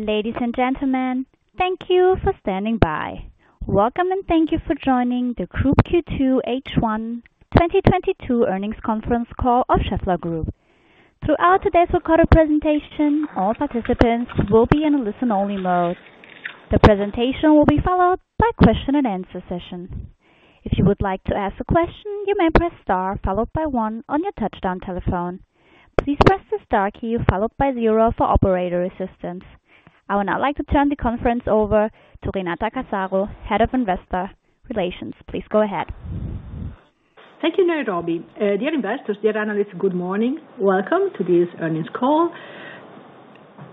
Ladies and gentlemen, thank you for standing by. Welcome, and thank you for joining the Group's Q2 H1 2022 earnings conference call of Schaeffler Group. Throughout today's recorded presentation, all participants will be in a listen-only mode. The presentation will be followed by question and answer session. If you would like to ask a question, you may press star followed by one on your touch-tone telephone. Please press the star key followed by zero for operator assistance. I would now like to turn the conference over to Renata Casaro, Head of Investor Relations. Please go ahead. Thank you, Nairobi. Dear investors, dear analysts, good morning. Welcome to this earnings call.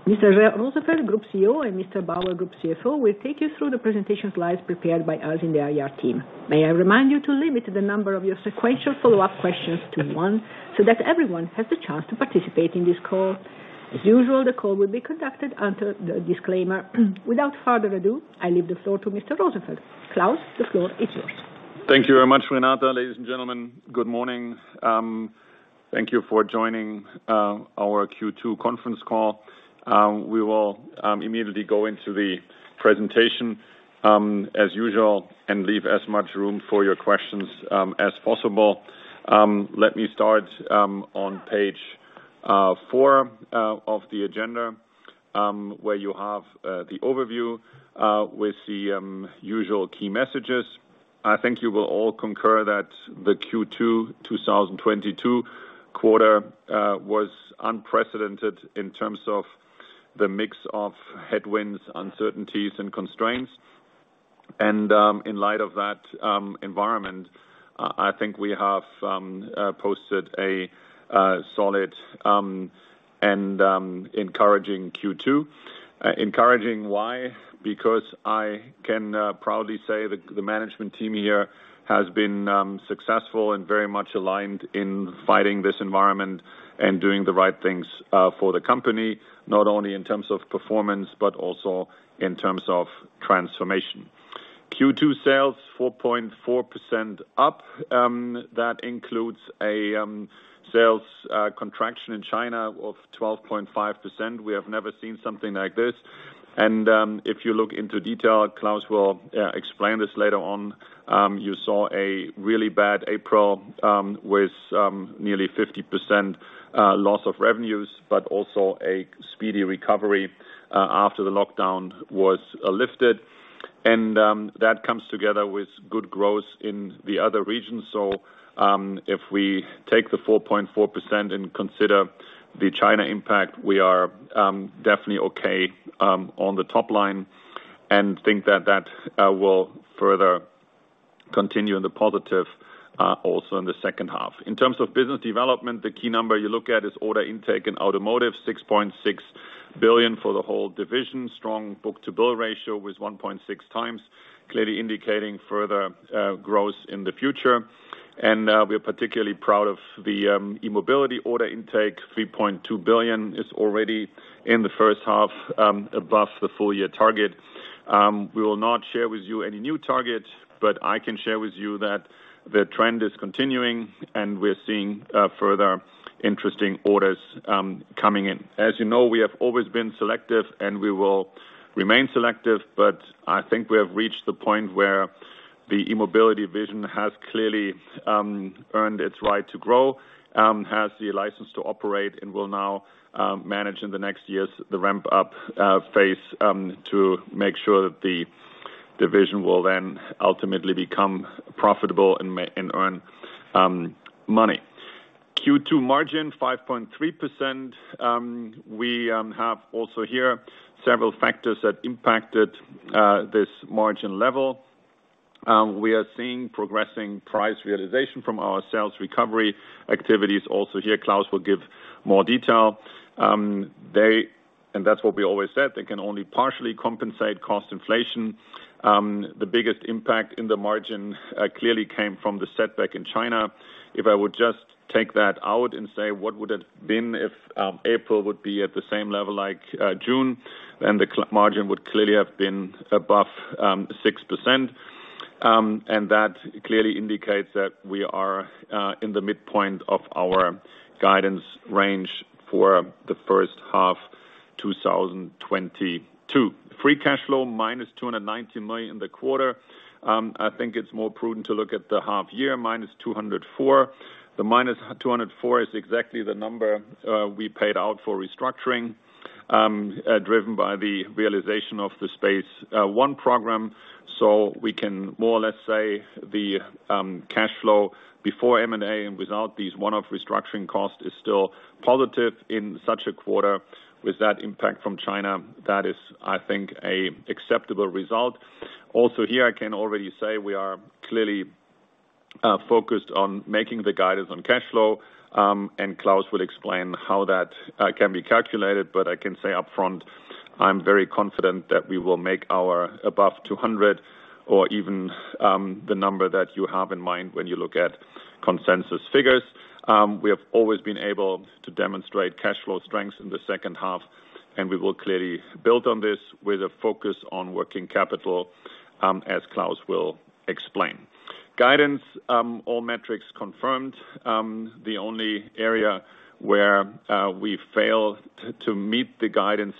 Mr. Rosenfeld, Group CEO, and Mr. Bauer, Group CFO, will take you through the presentation slides prepared by us in the IR team. May I remind you to limit the number of your sequential follow-up questions to one so that everyone has the chance to participate in this call. As usual, the call will be conducted under the disclaimer. Without further ado, I leave the floor to Mr. Rosenfeld. Klaus, the floor is yours. Thank you very much, Renata. Ladies and gentlemen, good morning. Thank you for joining our Q2 conference call. We will immediately go into the presentation as usual and leave as much room for your questions as possible. Let me start on page four of the agenda where you have the overview with the usual key messages. I think you will all concur that the Q2 2022 quarter was unprecedented in terms of the mix of headwinds, uncertainties, and constraints. In light of that environment, I think we have posted a solid and encouraging Q2. Encouraging why? Because I can proudly say that the management team here has been successful and very much aligned in fighting this environment and doing the right things for the company, not only in terms of performance, but also in terms of transformation. Q2 sales 4.4% up. That includes a sales contraction in China of 12.5%. We have never seen something like this. If you look into detail, Klaus will explain this later on. You saw a really bad April with nearly 50% loss of revenues, but also a speedy recovery after the lockdown was lifted. That comes together with good growth in the other regions. If we take the 4.4% and consider the China impact, we are definitely okay on the top line and think that that will further continue in the positive also in the second half. In terms of business development, the key number you look at is order intake and automotive, 6.6 billion for the whole division. Strong book-to-bill ratio with 1.6x, clearly indicating further growth in the future. We are particularly proud of the E-Mobility order intake. 3.2 billion is already in the first half above the full-year target. We will not share with you any new targets, but I can share with you that the trend is continuing, and we're seeing further interesting orders coming in. As you know, we have always been selective, and we will remain selective, but I think we have reached the point where the E-Mobility vision has clearly earned its right to grow, has the license to operate and will now manage in the next years the ramp-up phase to make sure that the division will then ultimately become profitable and earn money. Q2 margin, 5.3%. We have also here several factors that impacted this margin level. We are seeing progressing price realization from our sales recovery activities. Also here, Claus will give more detail. That's what we always said, they can only partially compensate cost inflation. The biggest impact in the margin clearly came from the setback in China. If I would just take that out and say, what would it have been if April would be at the same level like June, then the margin would clearly have been above 6%. That clearly indicates that we are in the midpoint of our guidance range for the first half 2022. Free cash flow, -290 million in the quarter. I think it's more prudent to look at the half year, -204 million. The -204 million is exactly the number we paid out for restructuring driven by the realization of the Space One program. We can more or less say the cash flow before M&A and without these one-off restructuring costs is still positive in such a quarter. With that impact from China, that is, I think, an acceptable result. Also, here I can already say we are clearly focused on making the guidance on cash flow, and Claus will explain how that can be calculated. I can say upfront, I'm very confident that we will make our above 200 million or even the number that you have in mind when you look at consensus figures. We have always been able to demonstrate cash flow strengths in the second half, and we will clearly build on this with a focus on working capital, as Klaus will explain. Guidance, all metrics confirmed. The only area where we failed to meet the guidance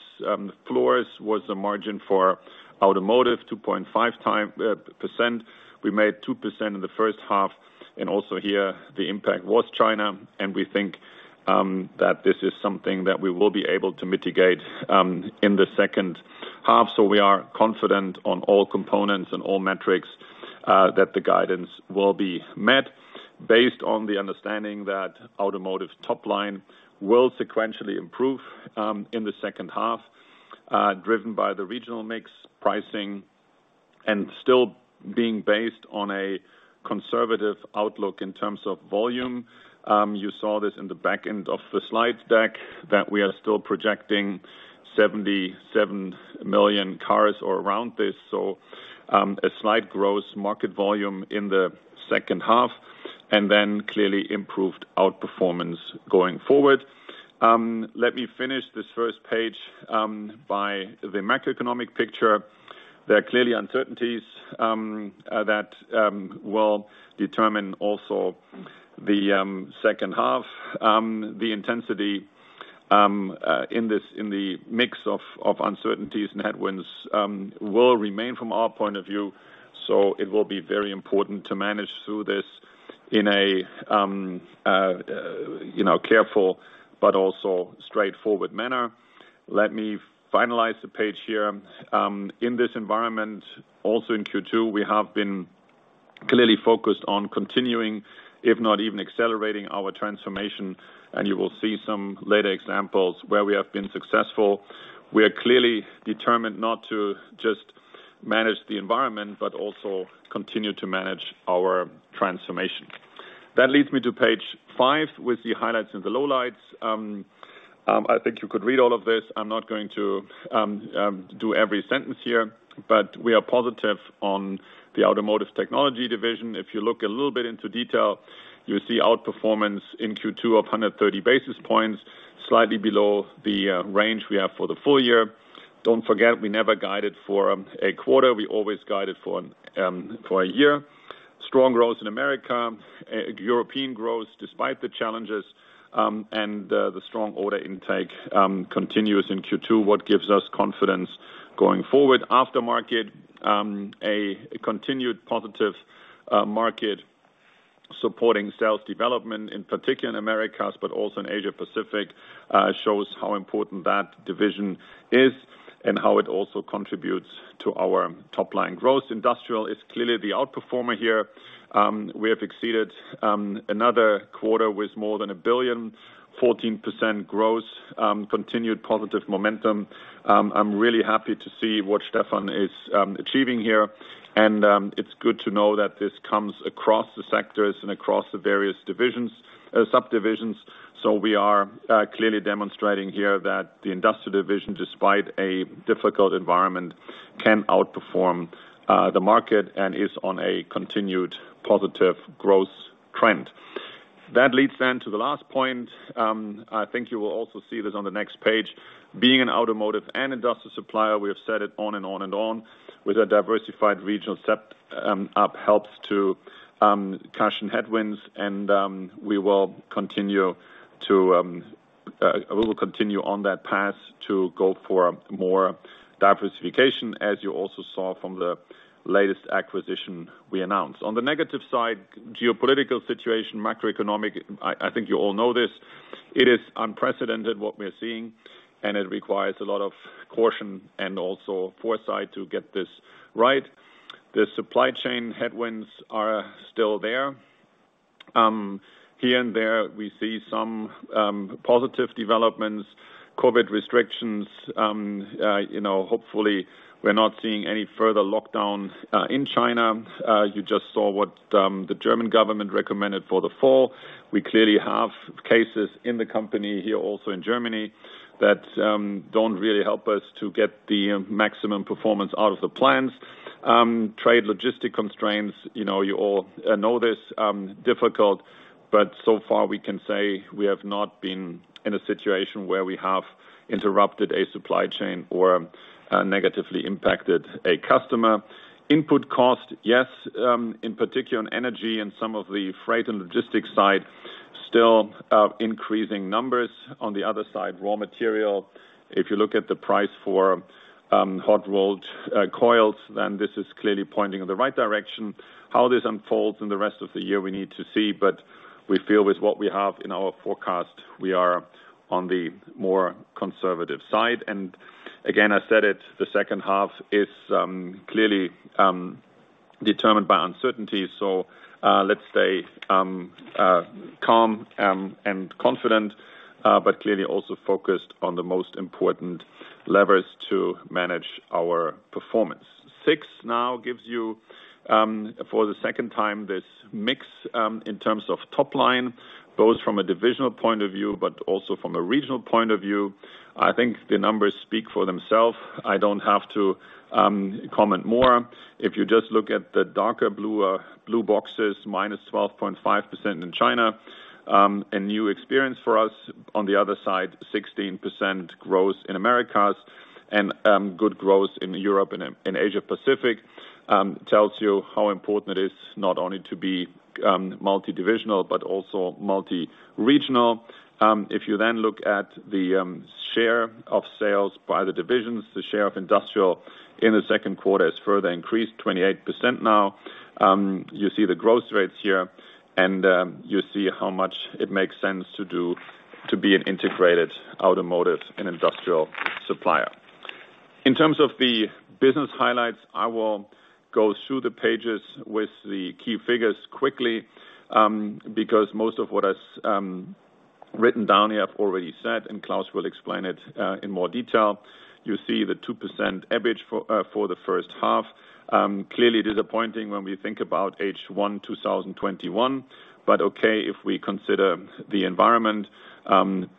floors was the margin for Automotive 2.5%. We made 2% in the first half, and also here the impact was China, and we think that this is something that we will be able to mitigate in the second half. We are confident on all components and all metrics that the guidance will be met based on the understanding that automotive top line will sequentially improve in the second half, driven by the regional mix pricing and still being based on a conservative outlook in terms of volume. You saw this in the back end of the slide deck that we are still projecting 77 million cars or around this. A slight global market volume in the second half and then clearly improved outperformance going forward. Let me finish this first page by the macroeconomic picture. There are clearly uncertainties that will determine also the second half. The intensity in the mix of uncertainties and headwinds will remain from our point of view. It will be very important to manage through this in a you know careful but also straightforward manner. Let me finalize the page here. In this environment, also in Q2, we have been clearly focused on continuing, if not even accelerating our transformation, and you will see some later examples where we have been successful. We are clearly determined not to just manage the environment, but also continue to manage our transformation. That leads me to page five with the highlights and the lowlights. I think you could read all of this. I'm not going to do every sentence here, but we are positive on the Automotive Technologies Division. If you look a little bit into detail, you see outperformance in Q2 of 130 basis points, slightly below the range we have for the full year. Don't forget, we never guided for a quarter. We always guided for a year. Strong growth in America, European growth despite the challenges, and the strong order intake continues in Q2, what gives us confidence going forward. Aftermarket, a continued positive market supporting sales development, in particular in Americas, but also in Asia-Pacific, shows how important that division is and how it also contributes to our top line growth. Industrial is clearly the outperformer here. We have exceeded another quarter with more than 1 billion, 14% growth, continued positive momentum. I'm really happy to see what Stefan is achieving here, and it's good to know that this comes across the sectors and across the various divisions, subdivisions. We are clearly demonstrating here that the Industrial division, despite a difficult environment, can outperform the market and is on a continued positive growth trend. That leads then to the last point. I think you will also see this on the next page. Being an automotive and industrial supplier, we have said it on and on and on, with a diversified regional setup helps to cushion headwinds, and we will continue on that path to go for more diversification, as you also saw from the latest acquisition we announced. On the negative side, geopolitical situation, macroeconomic, I think you all know this. It is unprecedented what we are seeing, and it requires a lot of caution and also foresight to get this right. The supply chain headwinds are still there. Here and there, we see some positive developments, COVID restrictions, you know, hopefully, we're not seeing any further lockdowns in China. You just saw what the German government recommended for the fall. We clearly have cases in the company here also in Germany that don't really help us to get the maximum performance out of the plants. Trade logistics constraints, you know, you all know this, difficult, but so far we can say we have not been in a situation where we have interrupted a supply chain or negatively impacted a customer. Input cost, yes, in particular on energy and some of the freight and logistics side, still increasing numbers. On the other side, raw material. If you look at the price for hot-rolled coils, then this is clearly pointing in the right direction. How this unfolds in the rest of the year, we need to see, but we feel with what we have in our forecast, we are on the more conservative side. Again, I said it, the second half is clearly determined by uncertainty. Let's stay calm and confident, but clearly also focused on the most important levers to manage our performance. This now gives you for the second time this mix in terms of top line both from a divisional point of view but also from a regional point of view. I think the numbers speak for themselves. I don't have to comment more. If you just look at the darker blue boxes, -12.5% in China, a new experience for us. On the other side, 16% growth in Americas. Good growth in Europe and in Asia Pacific tells you how important it is not only to be multidivisional but also multiregional. If you then look at the share of sales by the divisions, the share of Industrial in the second quarter has further increased 28% now. You see the growth rates here, and you see how much it makes sense to be an integrated automotive and industrial supplier. In terms of the business highlights, I will go through the pages with the key figures quickly, because most of what is written down here I've already said, and Claus will explain it in more detail. You see the 2% EBIT for the first half. Clearly disappointing when we think about H1 2021, but okay if we consider the environment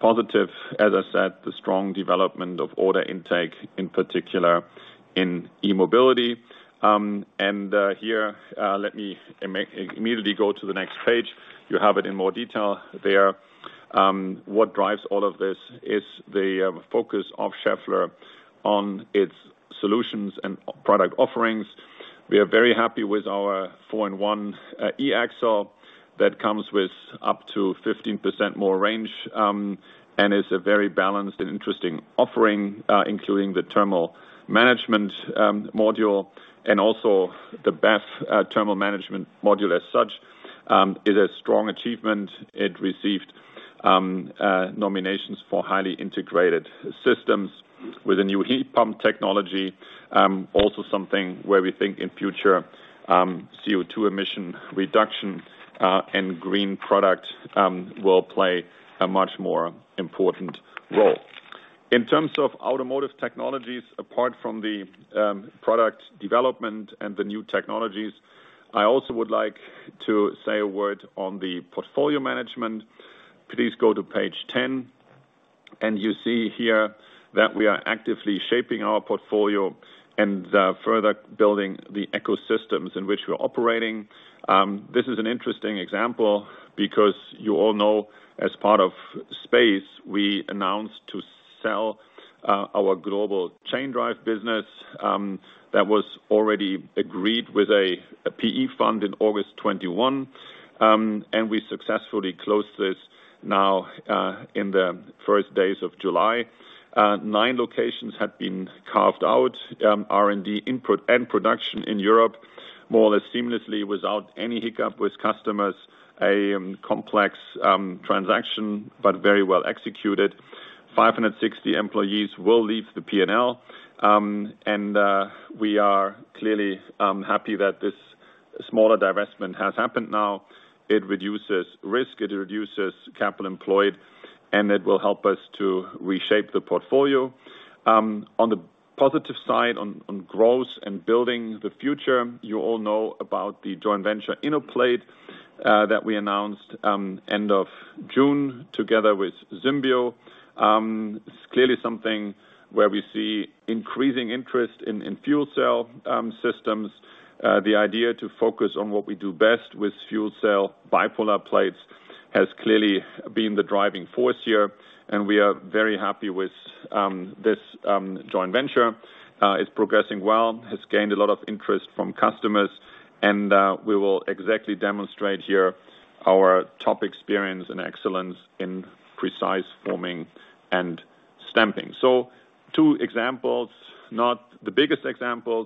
positive. As I said, the strong development of order intake, in particular in E-Mobility. Here, let me immediately go to the next page. You have it in more detail there. What drives all of this is the focus of Schaeffler on its solutions and product offerings. We are very happy with our four-in-one e-axle that comes with up to 15% more range and is a very balanced and interesting offering including the thermal management module and also the BEV thermal management module as such is a strong achievement. It received nominations for highly integrated systems with a new heat pump technology also something where we think in future CO2 emission reduction and green products will play a much more important role. In terms of automotive technologies apart from the product development and the new technologies I also would like to say a word on the portfolio management. Please go to page 10, and you see here that we are actively shaping our portfolio and further building the ecosystems in which we're operating. This is an interesting example because you all know, as part of Schaeffler, we announced to sell our global chain drive business that was already agreed with a PE fund in August 2021. We successfully closed this now in the first days of July. Nine locations had been carved out, R&D input and production in Europe, more or less seamlessly without any hiccup with customers. A complex transaction, but very well executed. 560 employees will leave the P&L. We are clearly happy that this smaller divestment has happened now. It reduces risk, it reduces capital employed, and it will help us to reshape the portfolio. On the positive side, on growth and building the future, you all know about the joint venture Innoplate that we announced end of June together with Symbio. It's clearly something where we see increasing interest in fuel cell systems. The idea to focus on what we do best with fuel cell bipolar plates has clearly been the driving force here, and we are very happy with this joint venture. It's progressing well, has gained a lot of interest from customers, and we will exactly demonstrate here our top experience and excellence in precise forming and stamping. Two examples, not the biggest examples,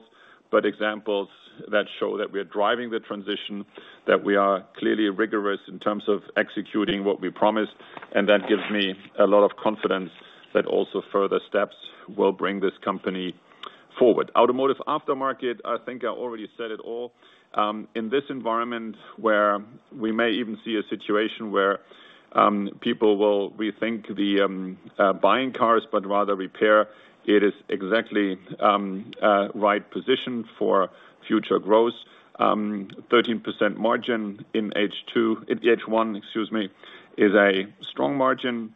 but examples that show that we're driving the transition, that we are clearly rigorous in terms of executing what we promised, and that gives me a lot of confidence that also further steps will bring this company forward. Automotive Aftermarket, I think I already said it all. In this environment, where we may even see a situation where people will rethink the buying cars, but rather repair, it is exactly right position for future growth. 13% margin in H1, excuse me, is a strong margin.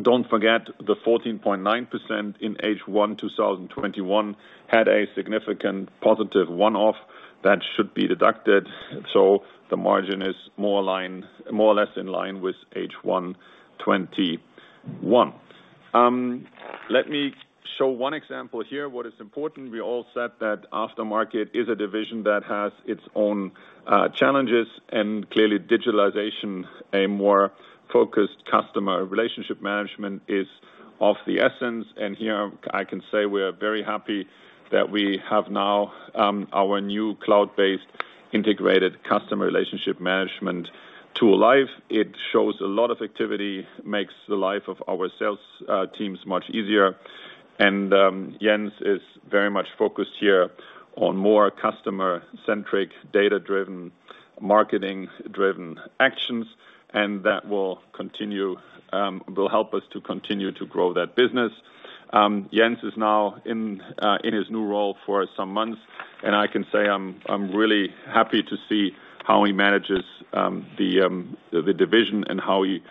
Don't forget the 14.9% in H1 2021 had a significant positive one-off that should be deducted. The margin is more or less in line with H1 2021. Let me show one example here. What is important, we all said that Aftermarket is a division that has its own challenges, and clearly digitalization, a more focused customer relationship management is of the essence. Here I can say we are very happy that we have now our new cloud-based integrated customer relationship management tool live. It shows a lot of activity, makes the life of our sales teams much easier. Jens is very much focused here on more customer-centric, data-driven, marketing-driven actions, and that will continue, will help us to continue to grow that business. Jens is now in his new role for some months, and I can say I'm really happy to see how he manages the division and how he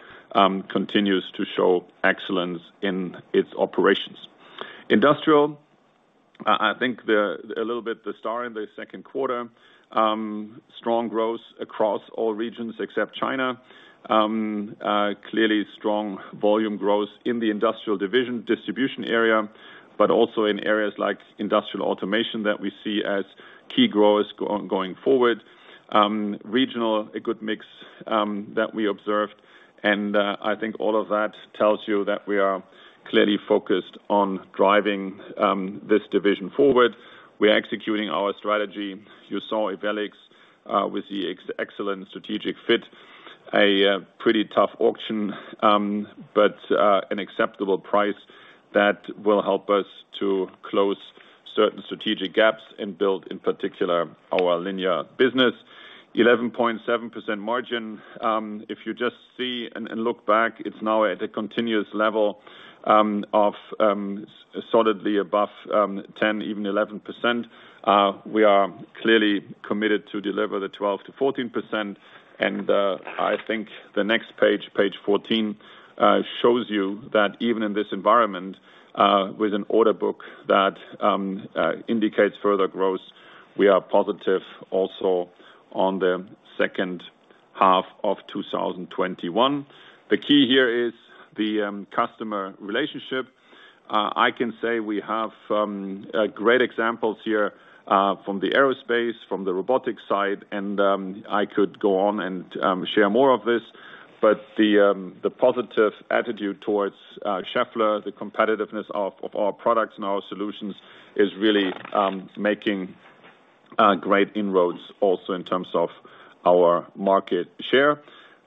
continues to show excellence in its operations. Industrial, I think a little bit the star in the second quarter, strong growth across all regions except China. Clearly strong volume growth in the industrial division distribution area, but also in areas like industrial automation that we see as key growth areas going forward. Regional, a good mix that we observed. I think all of that tells you that we are clearly focused on driving this division forward. We're executing our strategy. You saw Ewellix with the excellent strategic fit, a pretty tough auction, but an acceptable price that will help us to close certain strategic gaps and build, in particular, our linear business. 11.7% margin. If you just see and look back, it's now at a continuous level of solidly above 10%, even 11%. We are clearly committed to deliver the 12%-14%. I think the next page 14, shows you that even in this environment, with an order book that indicates further growth, we are positive also on the second half of 2021. The key here is the customer relationship. I can say we have great examples here from the Aerospace, from the Robotics side, and I could go on and share more of this. The positive attitude towards Schaeffler, the competitiveness of our products and our solutions is really making great inroads also in terms of our market share.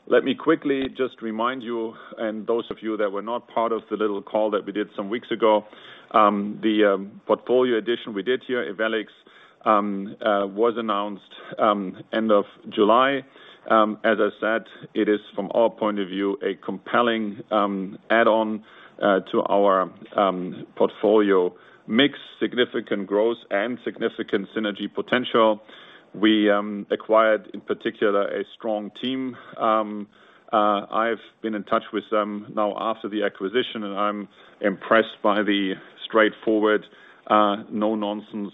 Let me quickly just remind you and those of you that were not part of the little call that we did some weeks ago, the portfolio addition we did here, Ewellix, was announced end of July. As I said, it is from our point of view, a compelling add-on to our portfolio. Mix significant growth and significant synergy potential. We acquired, in particular, a strong team. I've been in touch with them now after the acquisition, and I'm impressed by the straightforward, no nonsense,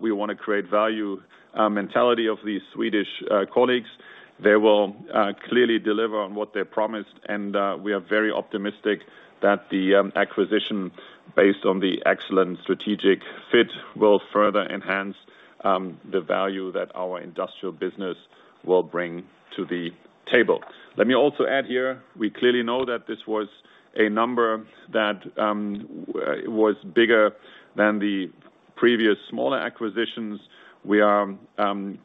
we wanna create value, mentality of the Swedish colleagues. They will clearly deliver on what they promised, and we are very optimistic that the acquisition based on the excellent strategic fit will further enhance the value that our industrial business will bring to the table. Let me also add here, we clearly know that this was a number that was bigger than the previous smaller acquisitions. We are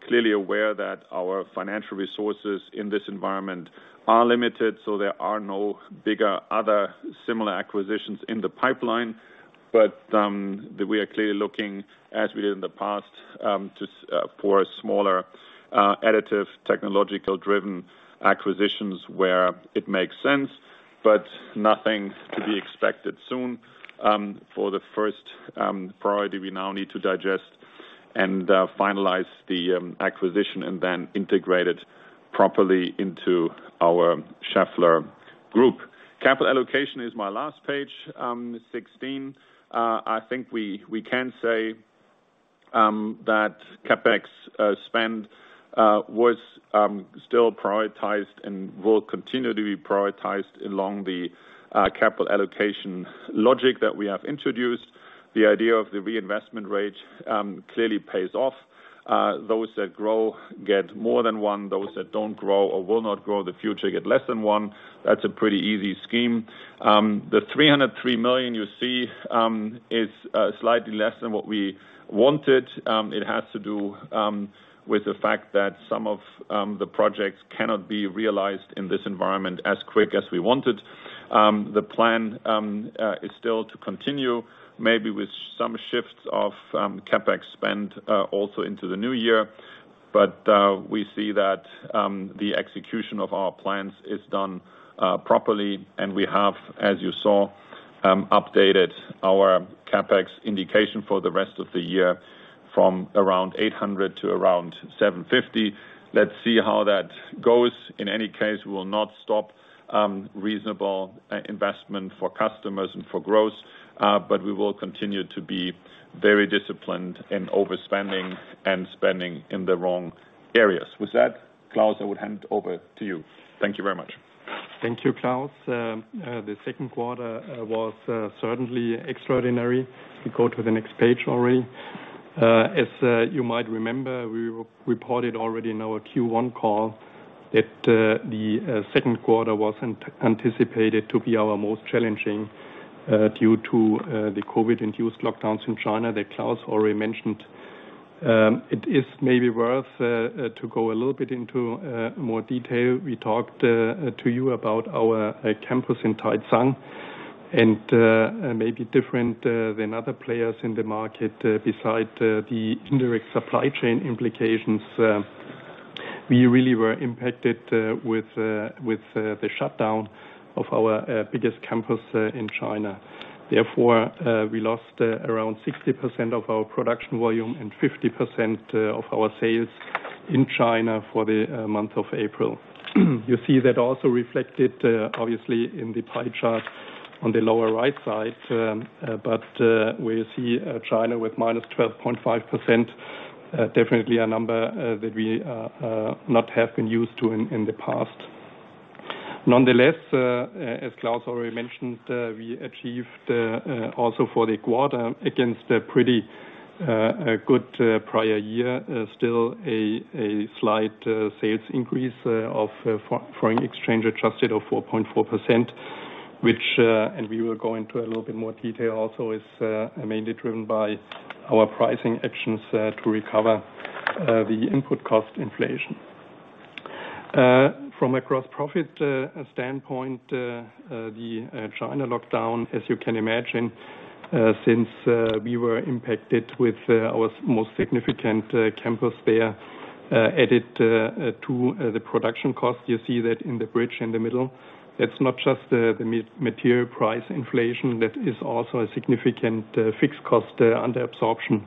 clearly aware that our financial resources in this environment are limited, so there are no bigger other similar acquisitions in the pipeline. We are clearly looking, as we did in the past, for smaller, additive technological-driven acquisitions where it makes sense, but nothing to be expected soon. For the first priority, we now need to digest and finalize the acquisition and then integrate it properly into our Schaeffler Group. Capital allocation is my last page, 16. I think we can say that CapEx spend was still prioritized and will continue to be prioritized along the capital allocation logic that we have introduced. The idea of the reinvestment rate clearly pays off. Those that grow get more than one. Those that don't grow or will not grow in the future get less than one. That's a pretty easy scheme. The 303 million you see is slightly less than what we wanted. It has to do with the fact that some of the projects cannot be realized in this environment as quick as we wanted. The plan is still to continue maybe with some shifts of CapEx spend also into the new year. We see that the execution of our plans is done properly, and we have, as you saw, updated our CapEx indication for the rest of the year from around 800 million to around 750 million. Let's see how that goes. In any case, we will not stop reasonable investment for customers and for growth, but we will continue to be very disciplined in overspending and spending in the wrong areas. With that, Claus, I would hand over to you. Thank you very much. Thank you, Klaus. The second quarter was certainly extraordinary. We go to the next page already. As you might remember, we re-reported already in our Q1 call that the second quarter was anticipated to be our most challenging due to the COVID-induced lockdowns in China that Klaus already mentioned. It is maybe worth to go a little bit into more detail. We talked to you about our campus in Taicang, and maybe different than other players in the market, beside the indirect supply chain implications. We really were impacted with the shutdown of our biggest campus in China. Therefore, we lost around 60% of our production volume and 50% of our sales in China for the month of April. You see that also reflected, obviously in the pie chart on the lower right side. We see China with -12.5%, definitely a number that we not have been used to in the past. Nonetheless, as Klaus already mentioned, we achieved also for the quarter against a pretty good prior year, still a slight sales increase of foreign exchange adjusted of 4.4%, which and we will go into a little bit more detail also is mainly driven by our pricing actions to recover the input cost inflation. From a gross profit standpoint, the China lockdown, as you can imagine, since we were impacted with our most significant campus there, added to the production cost. You see that in the bridge in the middle. That's not just the material price inflation, that is also a significant fixed cost under absorption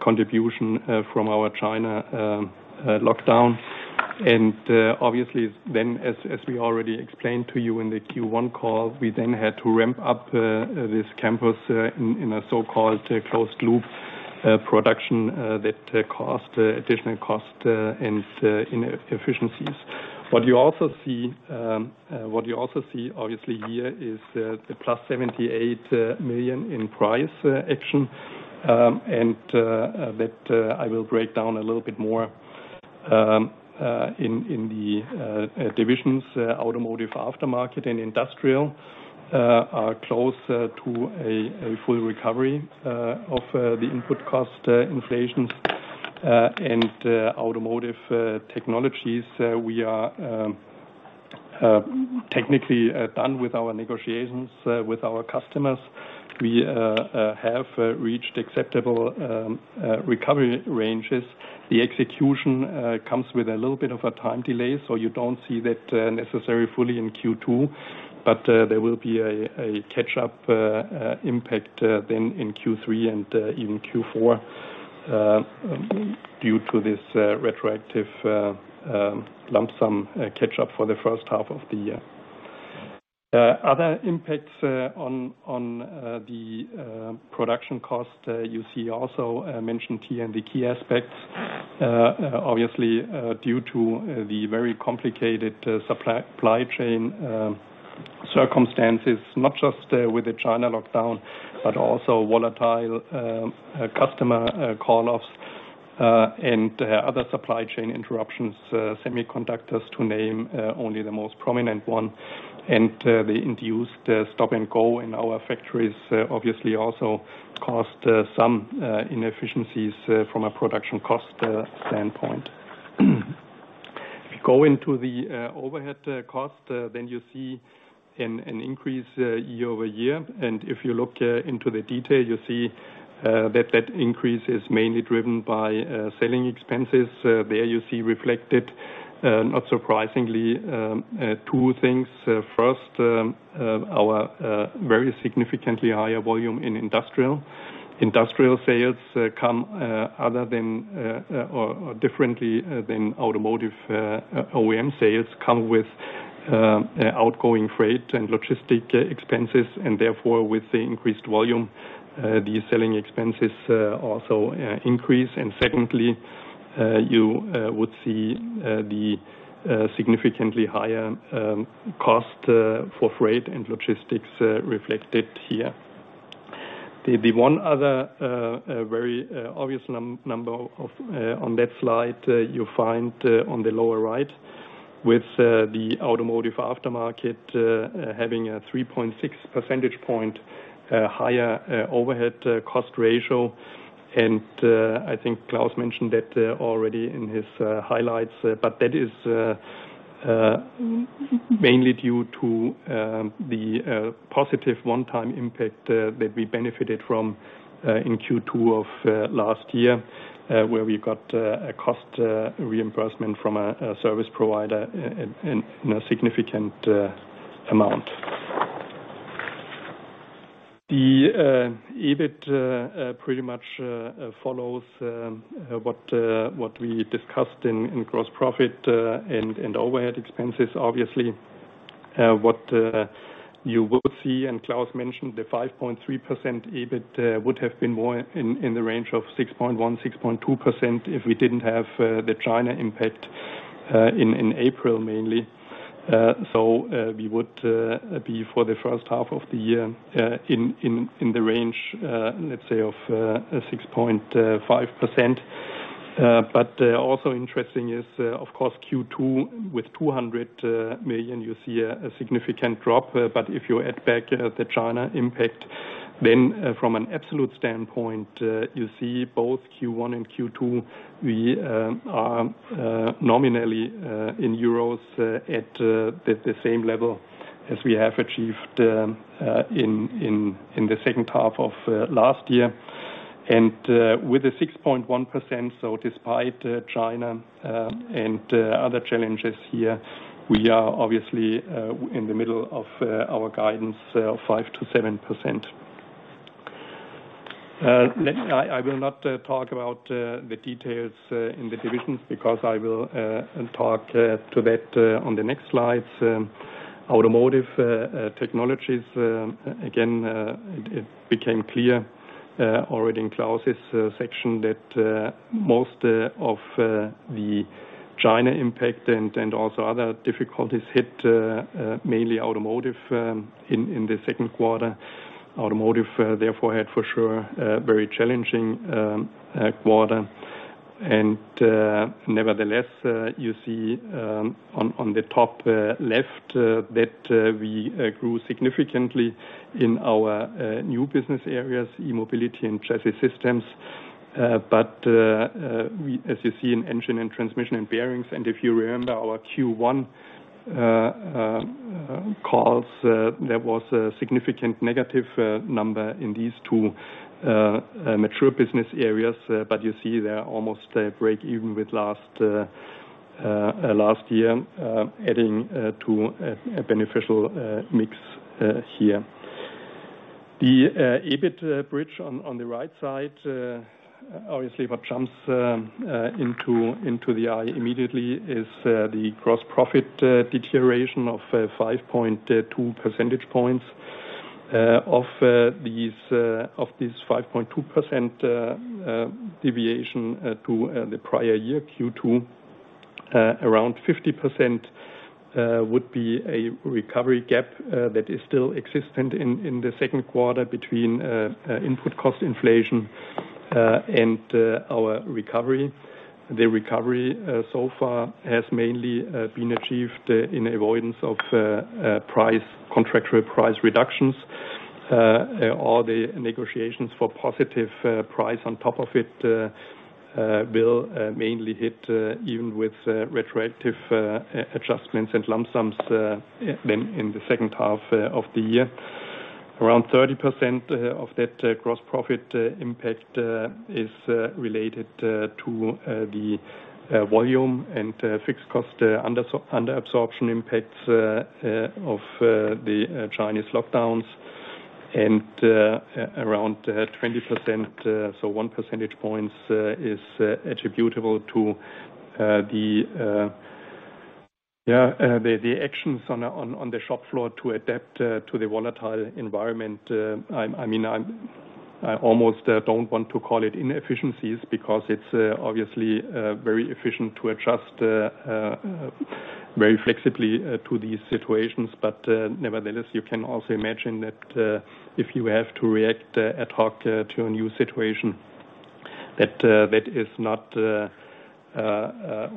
contribution from our China lockdown. Obviously then, as we already explained to you in the Q1 call, we then had to ramp up this campus in a so-called closed loop production that cost additional cost and inefficiencies. What you also see obviously here is the +78 million in price action. That I will break down a little bit more in the divisions, Automotive Aftermarket and Industrial, are close to a full recovery of the input cost inflation, and Automotive Technologies, we are technically done with our negotiations with our customers. We have reached acceptable recovery ranges. The execution comes with a little bit of a time delay, so you don't see that necessarily fully in Q2, but there will be a catch up impact then in Q3 and even Q4 due to this retroactive lump sum catch up for the first half of the year. Other impacts on the production cost you see also mentioned here in the key aspects. Obviously due to the very complicated supply chain circumstances, not just with the China lockdown, but also volatile customer call-offs and other supply chain interruptions, semiconductors to name only the most prominent one. They induced a stop-and-go in our factories, obviously also caused some inefficiencies from a production cost standpoint. If you go into the overhead cost, then you see an increase year-over-year. If you look into the detail, you see that increase is mainly driven by selling expenses. There you see reflected, not surprisingly, two things. First, our very significantly higher volume in Industrial. Industrial sales come other than or differently than automotive OEM sales come with outgoing freight and logistics expenses, and therefore, with the increased volume, the selling expenses also increase. Secondly, you would see the significantly higher cost for freight and logistics reflected here. The one other very obvious number on that slide, you'll find on the lower right with the Automotive Aftermarket having a 3.6 percentage point higher overhead cost ratio. I think Klaus mentioned that already in his highlights, but that is mainly due to the positive one-time impact that we benefited from in Q2 of last year, where we got a cost reimbursement from a service provider in a significant amount. The EBIT pretty much follows what we discussed in gross profit and overhead expenses. Obviously, what you will see, and Klaus mentioned the 5.3% EBIT would have been more in the range of 6.1%-6.2% if we didn't have the China impact in April, mainly. We would be for the first half of the year in the range, let's say of 6.5%. Also interesting is, of course, Q2 with 200 million. You see a significant drop. If you add back the China impact, then from an absolute standpoint, you see both Q1 and Q2. We are nominally in euros at the same level as we have achieved in the second half of last year. With the 6.1%, so despite China and other challenges here, we are obviously in the middle of our guidance of 5%-7%. I will not talk about the details in the divisions because I will talk to that on the next slides. Automotive Technologies, again, it became clear already in Klaus's section that most of the China impact and also other difficulties hit mainly Automotive in the second quarter. Automotive therefore had for sure a very challenging quarter. Nevertheless, you see on the top left that we grew significantly in our new business areas, E-Mobility and chassis systems. As you see in engine and transmission and bearings, if you remember our Q1 calls, there was a significant negative number in these two mature business areas. You see they're almost break even with last year, adding to a beneficial mix here. The EBIT bridge on the right side obviously what jumps into the eye immediately is the gross profit deterioration of 5.2 percentage points. Of this 5.2% deviation to the prior year Q2, around 50% would be a recovery gap that is still existent in the second quarter between input cost inflation and our recovery. The recovery so far has mainly been achieved in avoidance of contractual price reductions. All the negotiations for positive price on top of it will mainly hit, even with retroactive adjustments and lump sums, in the second half of the year. Around 30% of that gross profit impact is related to the volume and fixed cost under absorption impacts of the Chinese lockdowns and around 20%, so one percentage point, is attributable to the the actions on on the shop floor to adapt to the volatile environment. I mean, I almost don't want to call it inefficiencies because it's obviously very efficient to adjust very flexibly to these situations. Nevertheless, you can also imagine that if you have to react ad hoc to a new situation that that is not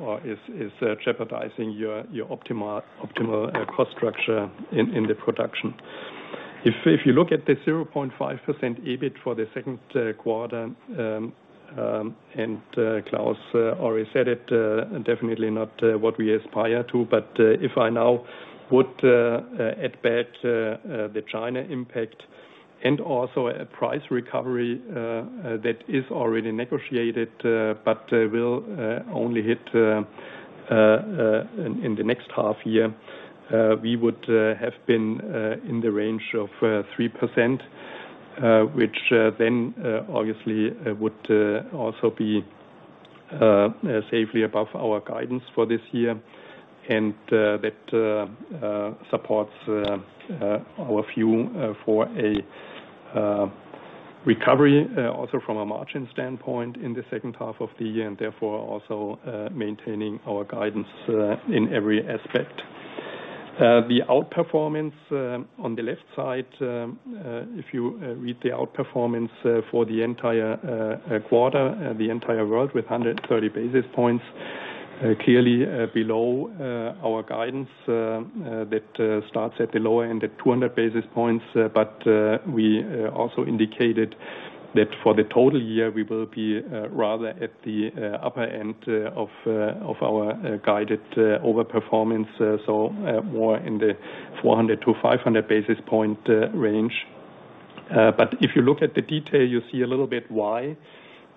or is is jeopardizing your your optimal optimal cost structure in in the production. If you look at the 0.5% EBIT for the second quarter and Klaus already said it, definitely not what we aspire to. If I now would add back the China impact and also a price recovery that is already negotiated but will only hit in the next half year, we would have been in the range of 3%. Which then obviously would also be safely above our guidance for this year. That supports our view for a recovery also from a margin standpoint in the second half of the year, and therefore also maintaining our guidance in every aspect. The outperformance on the left side, if you read the outperformance for the entire quarter for the entire world with 130 basis points, clearly below our guidance that starts at the lower end at 200 basis points. We also indicated that for the total year, we will be rather at the upper end of our guided overperformance, so more in the 400 basis point-500 basis point range. If you look at the detail, you see a little bit why,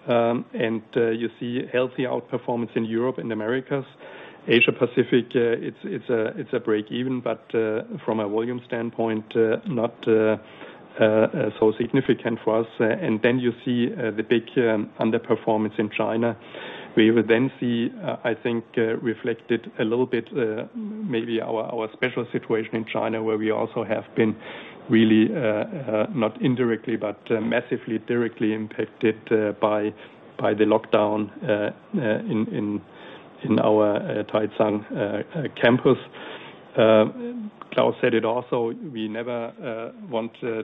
and you see healthy outperformance in Europe and Americas. Asia Pacific, it's a break even, but from a volume standpoint, not so significant for us. You see the big underperformance in China. We would see, I think, reflected a little bit, maybe our special situation in China, where we also have been really, not indirectly, but massively directly impacted by the lockdown in our Taicang campus. Klaus said it also, we never want to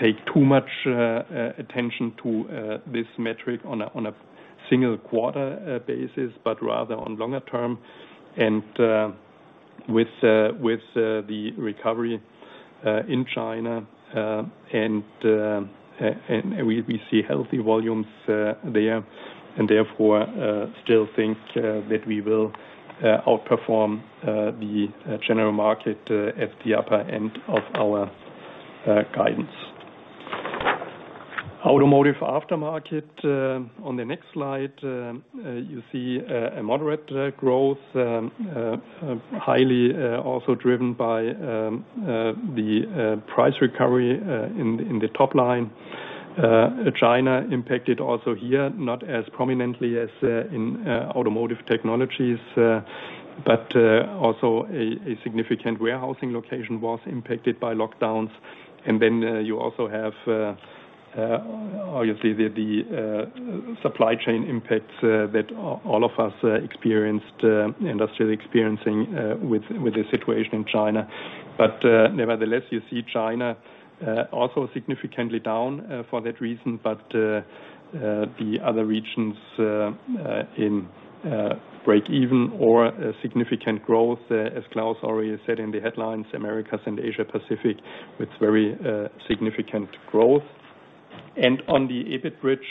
take too much attention to this metric on a single quarter basis, but rather on longer term. With the recovery in China, and we see healthy volumes there, and therefore still think that we will outperform the general market at the upper end of our guidance. Automotive Aftermarket, on the next slide, you see a moderate growth, highly also driven by the price recovery in the top line. China impacted also here, not as prominently as in Automotive Technologies, but also a significant warehousing location was impacted by lockdowns. You also have obviously the supply chain impacts that all of us experienced, industrially experiencing with the situation in China. Nevertheless, you see China also significantly down for that reason, but the other regions in breakeven or a significant growth, as Klaus already said in the headlines, Americas and Asia Pacific, with very significant growth. On the EBIT bridge,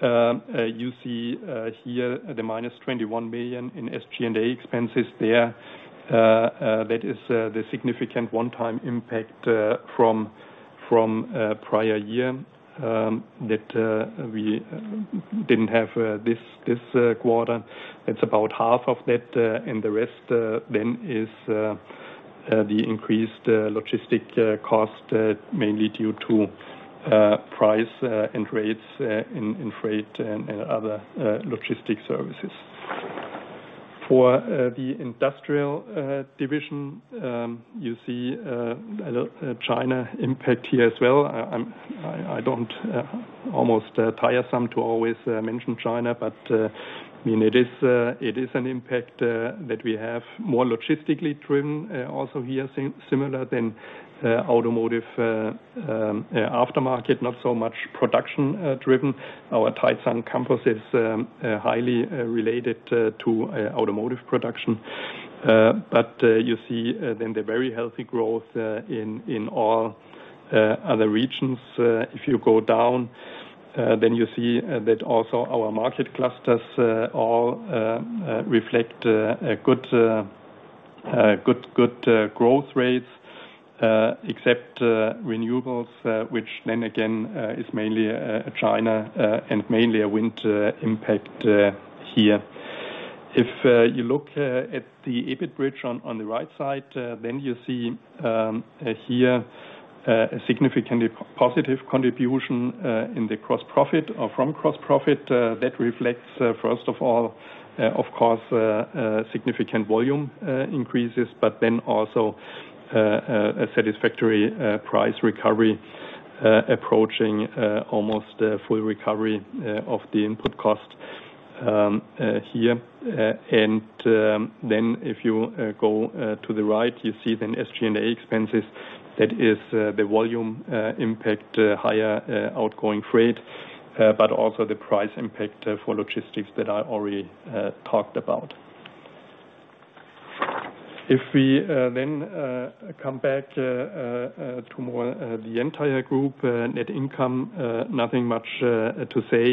you see here the -21 million in SG&A expenses there. That is the significant one-time impact from prior year that we didn't have this quarter. That's about half of that, and the rest then is the increased logistics cost, mainly due to price and rates in freight and other logistics services. For the Industrial division, you see the China impact here as well. It's almost tiresome to always mention China, but I mean, it is an impact that we have more logistically driven, also here, similar to automotive aftermarket, not so much production driven. Our Taicang campus is highly related to automotive production. You see the very healthy growth in all other regions. If you go down, then you see that also our market clusters all reflect good growth rates, except Renewables, which then again is mainly China and mainly a wind impact here. If you look at the EBIT bridge on the right side, then you see here a significantly positive contribution in the gross profit or from gross profit that reflects, first of all, of course, significant volume increases, but then also a satisfactory price recovery approaching almost full recovery of the input cost here. If you go to the right, you see SG&A expenses, that is, the volume impact, higher outgoing freight, but also the price impact for logistics that I already talked about. If we then come back to the entire group net income, nothing much to say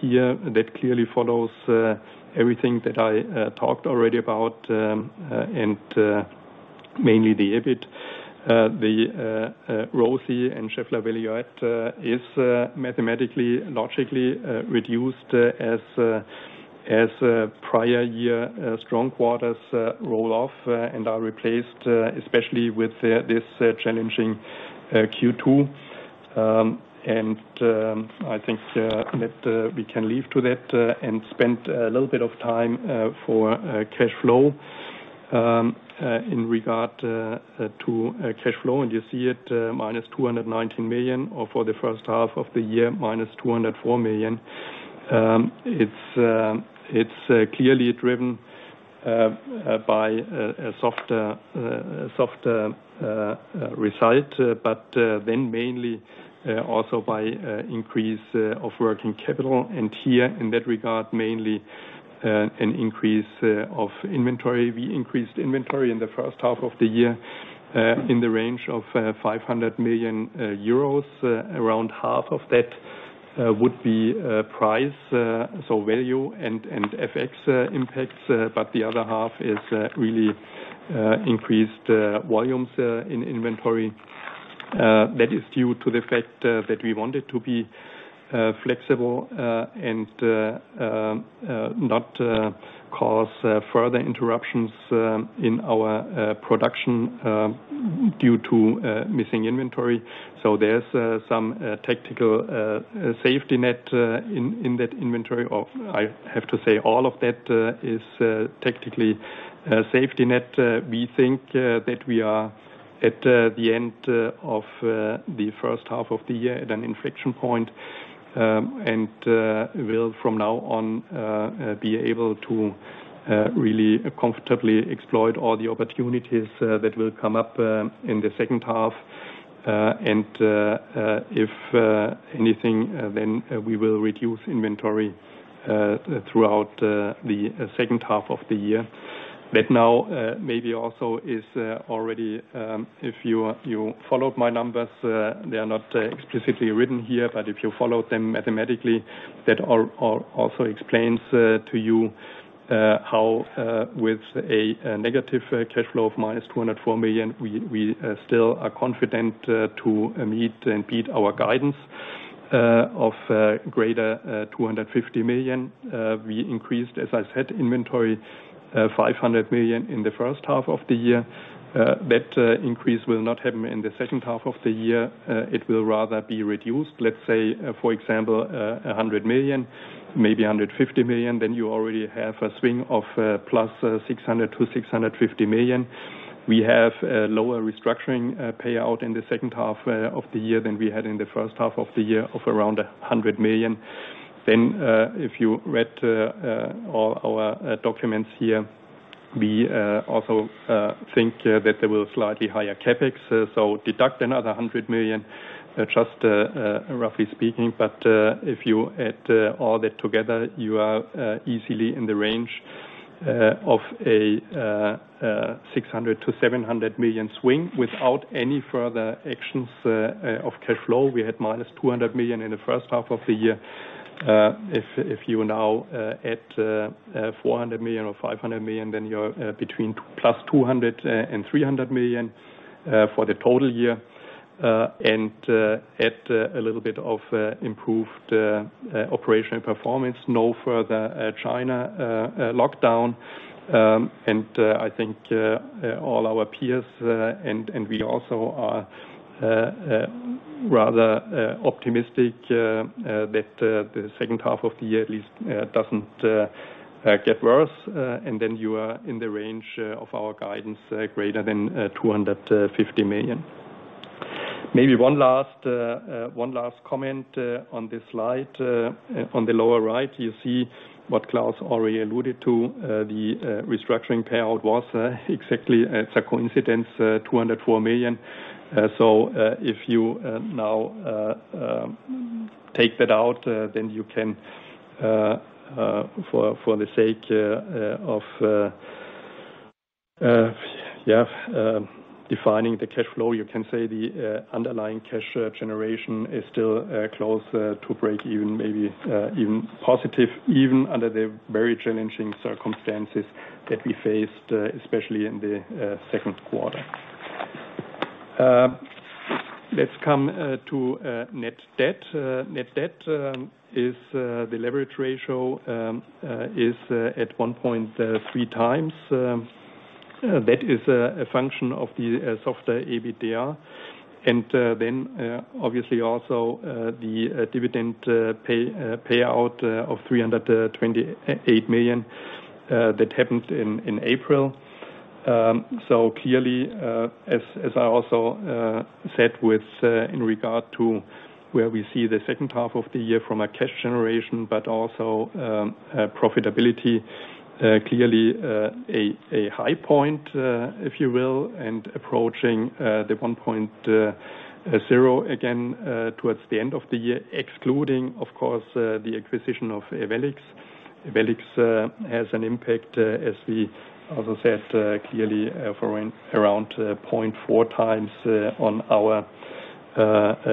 here. That clearly follows everything that I talked already about and mainly the EBIT. The ROCE and Schaeffler Value Add is mathematically logically reduced as prior year strong quarters roll off and are replaced especially with this challenging Q2. I think that we can leave to that and spend a little bit of time for cash flow. In regard to cash flow and you see it -219 million, or for the first half of the year, -204 million. It's clearly driven by a soft result, but then mainly also by increase of working capital. Here, in that regard, mainly an increase of inventory. We increased inventory in the first half of the year in the range of 500 million euros. Around half of that would be price so value and FX impacts, but the other half is really increased volumes in inventory. That is due to the fact that we wanted to be flexible and not cause further interruptions in our production due to missing inventory. There's some tactical safety net in that inventory. I have to say all of that is tactically a safety net. We think that we are at the end of the first half of the year at an inflection point and will from now on be able to really comfortably exploit all the opportunities that will come up in the second half. If anything, then we will reduce inventory throughout the second half of the year. That now maybe also is already if you followed my numbers they are not explicitly written here but if you followed them mathematically that also explains to you how with a negative cash flow of -204 million we still are confident to meet and beat our guidance of greater than 250 million. We increased as I said inventory 500 million in the first half of the year. That increase will not happen in the second half of the year. It will rather be reduced let's say for example 100 million maybe 150 million. Then you already have a swing of +600 million-650 million. We have a lower restructuring payout in the second half of the year than we had in the first half of the year of around 100 million. If you read all our documents here, we also think that there will slightly higher CapEx. Deduct another 100 million, just roughly speaking. If you add all that together, you are easily in the range of a 600 million-700 million swing without any further actions of cash flow. We had -200 million in the first half of the year. If you now add 400 million or 500 million, then you're between +200 million and 300 million for the total year. Add a little bit of improved operational performance. No further China lockdown. I think all our peers and we also are rather optimistic that the second half of the year at least doesn't get worse. Then you are in the range of our guidance, greater than 250 million. Maybe one last comment on this slide. On the lower right, you see what Klaus already alluded to, the restructuring payout was exactly. It's a coincidence, EUR 204 million. If you now take that out, then you can, for the sake of defining the cash flow, you can say the underlying cash generation is still close to breakeven, maybe even positive, even under the very challenging circumstances that we faced, especially in the second quarter. Let's come to net debt. Net debt is the leverage ratio at 1.3x. That is a function of the softer EBITDA. Then, obviously also, the dividend payout of 328 million that happened in April. Clearly, as I also said with regard to where we see the second half of the year from a cash generation, but also profitability, clearly a high point, if you will, and approaching the 1.0 again towards the end of the year, excluding, of course, the acquisition of Ewellix. Ewellix has an impact, as we also said, clearly for around 0.4x on our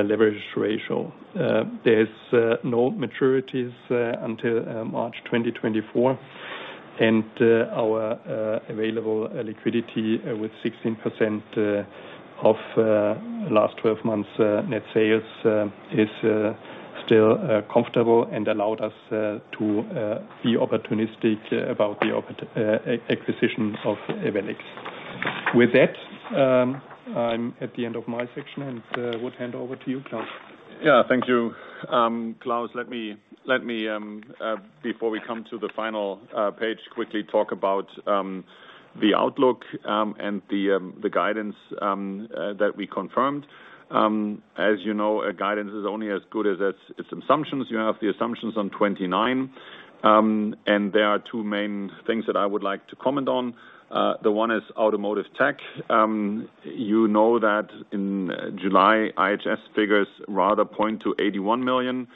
leverage ratio. There's no maturities until March 2024. Our available liquidity with 16% of last 12 months net sales is still comfortable and allowed us to be opportunistic about the acquisition of Ewellix. With that, I'm at the end of my section, and would hand over to you, Klaus. Yeah. Thank you. Claus, let me before we come to the final page, quickly talk about the outlook and the guidance that we confirmed. As you know, a guidance is only as good as its assumptions. You have the assumptions on page 29, and there are two main things that I would like to comment on. The one is automotive tech. You know that in July, IHS figures rather point to 81 million.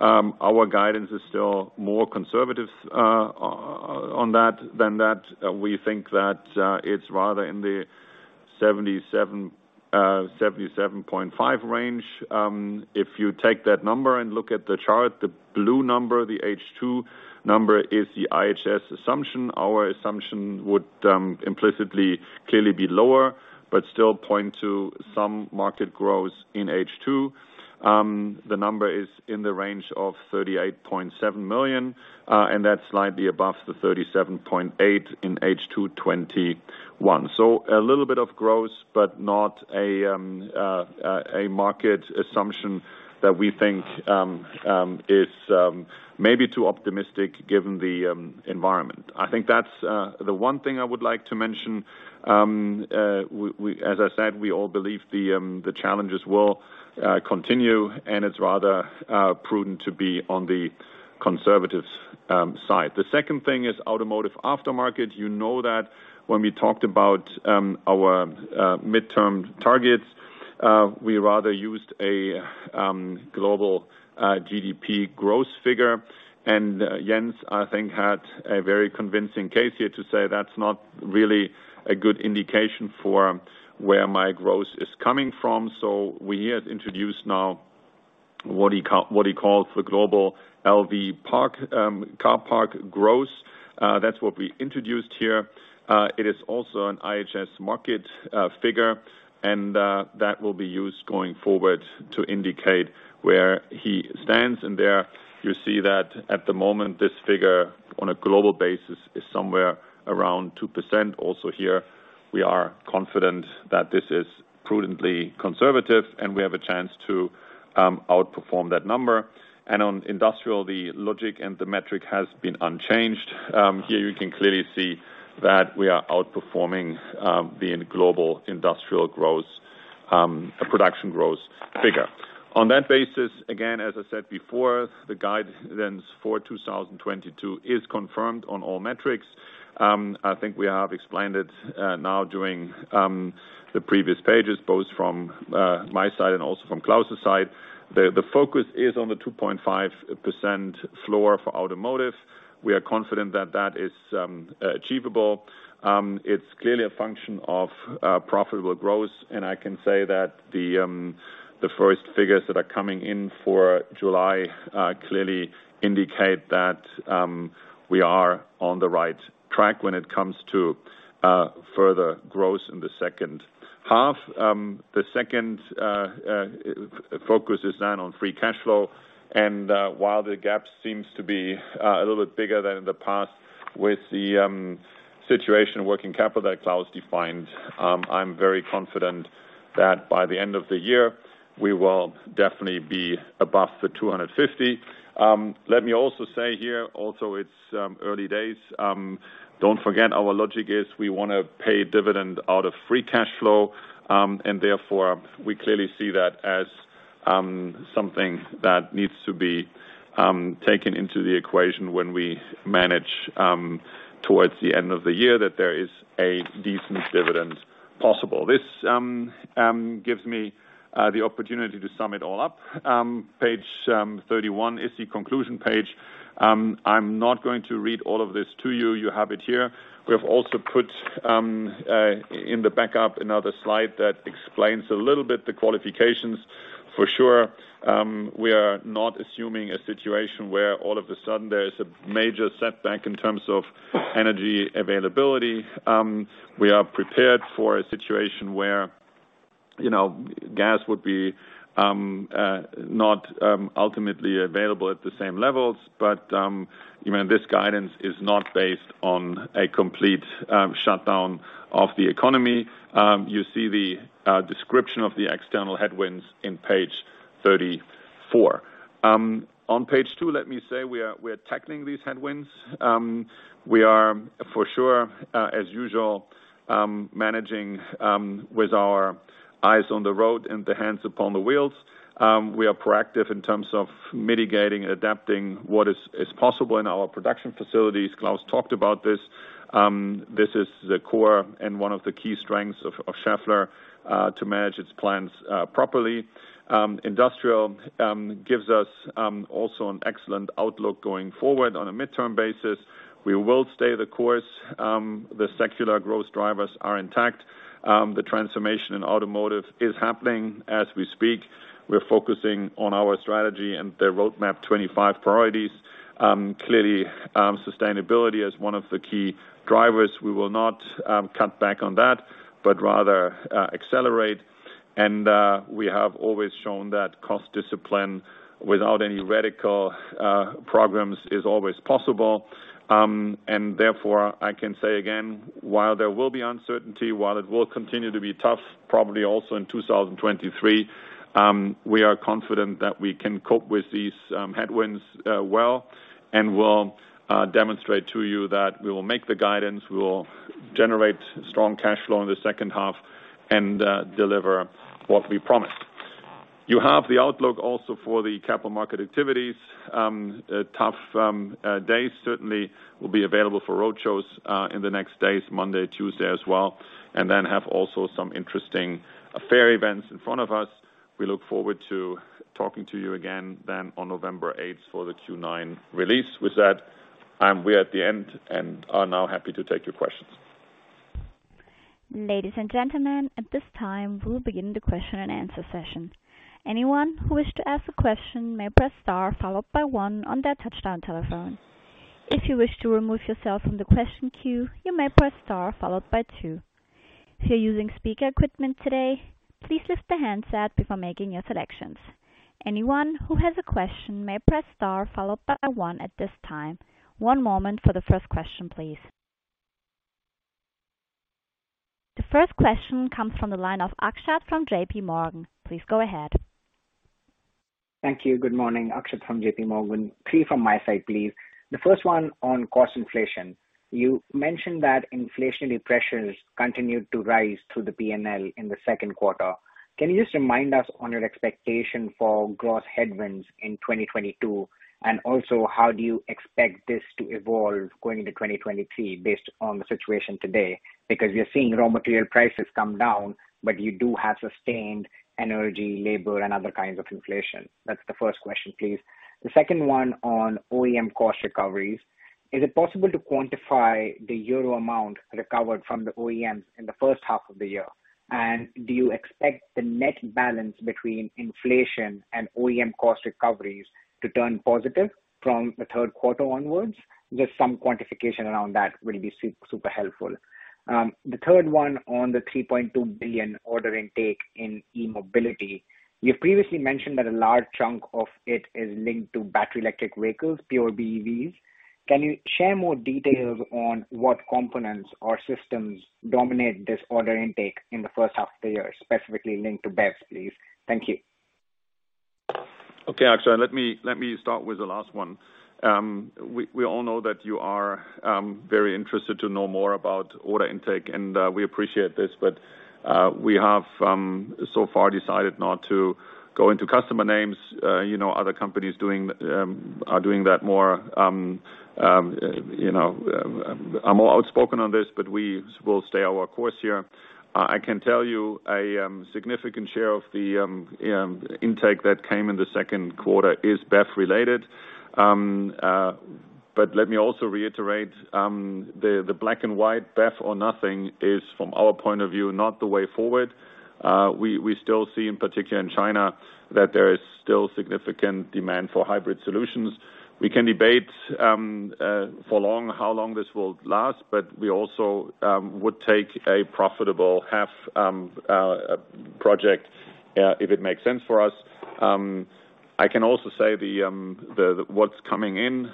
Our guidance is still more conservative, on that than that. We think that it's rather in the 77.5 million range. If you take that number and look at the chart, the blue number, the H2 number is the IHS assumption. Our assumption would implicitly clearly be lower, but still point to some market growth in H2. The number is in the range of 38.7 million, and that's slightly above the 37.8 million in H2 2021. A little bit of growth, but not a market assumption that we think is maybe too optimistic given the environment. I think that's the one thing I would like to mention. As I said, we all believe the challenges will continue, and it's rather prudent to be on the conservative side. The second thing is Automotive Aftermarket. You know that when we talked about our midterm targets, we rather used a global GDP growth figure. Jens, I think, had a very convincing case here to say that's not really a good indication for where my growth is coming from. We here introduce now what he calls the global LV park, car park growth. That's what we introduced here. It is also an IHS market figure, and that will be used going forward to indicate where he stands. There you see that at the moment, this figure on a global basis is somewhere around 2%. Also here, we are confident that this is prudently conservative, and we have a chance to outperform that number. On industrial, the logic and the metric has been unchanged. Here you can clearly see that we are outperforming the global industrial growth production growth figure. On that basis, again, as I said before, the guidance for 2022 is confirmed on all metrics. I think we have explained it now during the previous pages, both from my side and also from Claus's side. The focus is on the 2.5% floor for automotive. We are confident that is achievable. It's clearly a function of profitable growth. I can say that the first figures that are coming in for July clearly indicate that we are on the right track when it comes to further growth in the second half. The second focus is then on free cash flow. While the gap seems to be a little bit bigger than in the past with the situation working capital that Claus defined, I'm very confident that by the end of the year, we will definitely be above the 250. Let me also say here also, it's early days. Don't forget, our logic is we wanna pay dividend out of free cash flow, and therefore, we clearly see that as something that needs to be taken into the equation when we manage towards the end of the year, that there is a decent dividend possible. This gives me the opportunity to sum it all up. Page 31 is the conclusion page. I'm not going to read all of this to you. You have it here. We have also put in the backup, another slide that explains a little bit the qualifications. For sure, we are not assuming a situation where all of a sudden there is a major setback in terms of energy availability. We are prepared for a situation where, you know, gas would be not ultimately available at the same levels, but, you know, this guidance is not based on a complete shutdown of the economy. You see the description of the external headwinds in page 34. On page two, let me say, we are tackling these headwinds. We are for sure, as usual, managing with our eyes on the road and the hands upon the wheels. We are proactive in terms of mitigating, adapting what is possible in our production facilities. Claus talked about this. This is the core and one of the key strengths of Schaeffler to manage its plants properly. Industrial gives us also an excellent outlook going forward on a midterm basis. We will stay the course. The secular growth drivers are intact. The transformation in automotive is happening as we speak. We're focusing on our strategy and the Roadmap 2025 priorities. Clearly, sustainability is one of the key drivers. We will not cut back on that, but rather accelerate. We have always shown that cost discipline without any radical programs is always possible. Therefore, I can say again, while there will be uncertainty, while it will continue to be tough, probably also in 2023, we are confident that we can cope with these headwinds, well, and we'll demonstrate to you that we will make the guidance. We will generate strong cash flow in the second half and deliver what we promised. You have the outlook also for the capital market activities. A tough day. Certainly will be available for roadshows in the next days, Monday, Tuesday as well, and then have also some interesting fair events in front of us. We look forward to talking to you again then on November 8 for the Q3 release. With that, we're at the end and are now happy to take your questions. Ladies and gentlemen, at this time, we'll begin the question and answer session. Anyone who wishes to ask a question may press star followed by one on their touch-tone telephone. If you wish to remove yourself from the question queue, you may press star followed by two. If you're using speaker equipment today, please lift the handset before making your selections. Anyone who has a question may press star followed by one at this time. One moment for the first question, please. The first question comes from the line of Akshat Kacker from JPMorgan. Please go ahead. Thank you. Good morning, Akshat from JPMorgan. Three from my side, please. The first one on cost inflation. You mentioned that inflationary pressures continued to rise through the P&L in the second quarter. Can you just remind us on your expectation for gross headwinds in 2022? And also, how do you expect this to evolve going into 2023 based on the situation today? Because we are seeing raw material prices come down, but you do have sustained energy, labor, and other kinds of inflation. That's the first question, please. The second one on OEM cost recoveries. Is it possible to quantify the euro amount recovered from the OEMs in the first half of the year? And do you expect the net balance between inflation and OEM cost recoveries to turn positive from the third quarter onwards? Just some quantification around that will be super helpful. The third one on the 3.2 billion order intake in E-Mobility. You previously mentioned that a large chunk of it is linked to battery electric vehicles, pure BEVs. Can you share more details on what components or systems dominate this order intake in the first half of the year, specifically linked to BEVs, please? Thank you. Okay, actually, let me start with the last one. We all know that you are very interested to know more about order intake, and we appreciate this, but we have so far decided not to go into customer names. You know, other companies are doing that more. You know, are more outspoken on this, but we will stay our course here. I can tell you a significant share of the intake that came in the second quarter is BEV related. Let me also reiterate, the black and white BEV or nothing is, from our point of view, not the way forward. We still see, in particular in China, that there is still significant demand for hybrid solutions. We can debate for long how long this will last, but we also would take a profitable hybrid project if it makes sense for us. I can also say what's coming in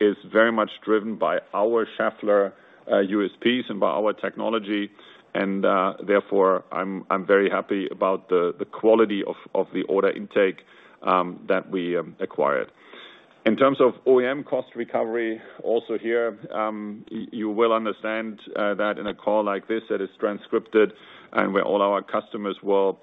is very much driven by our Schaeffler USPs and by our technology, and therefore, I'm very happy about the quality of the order intake that we acquired. In terms of OEM cost recovery, also here, you will understand that in a call like this that is transcribed and where all our customers will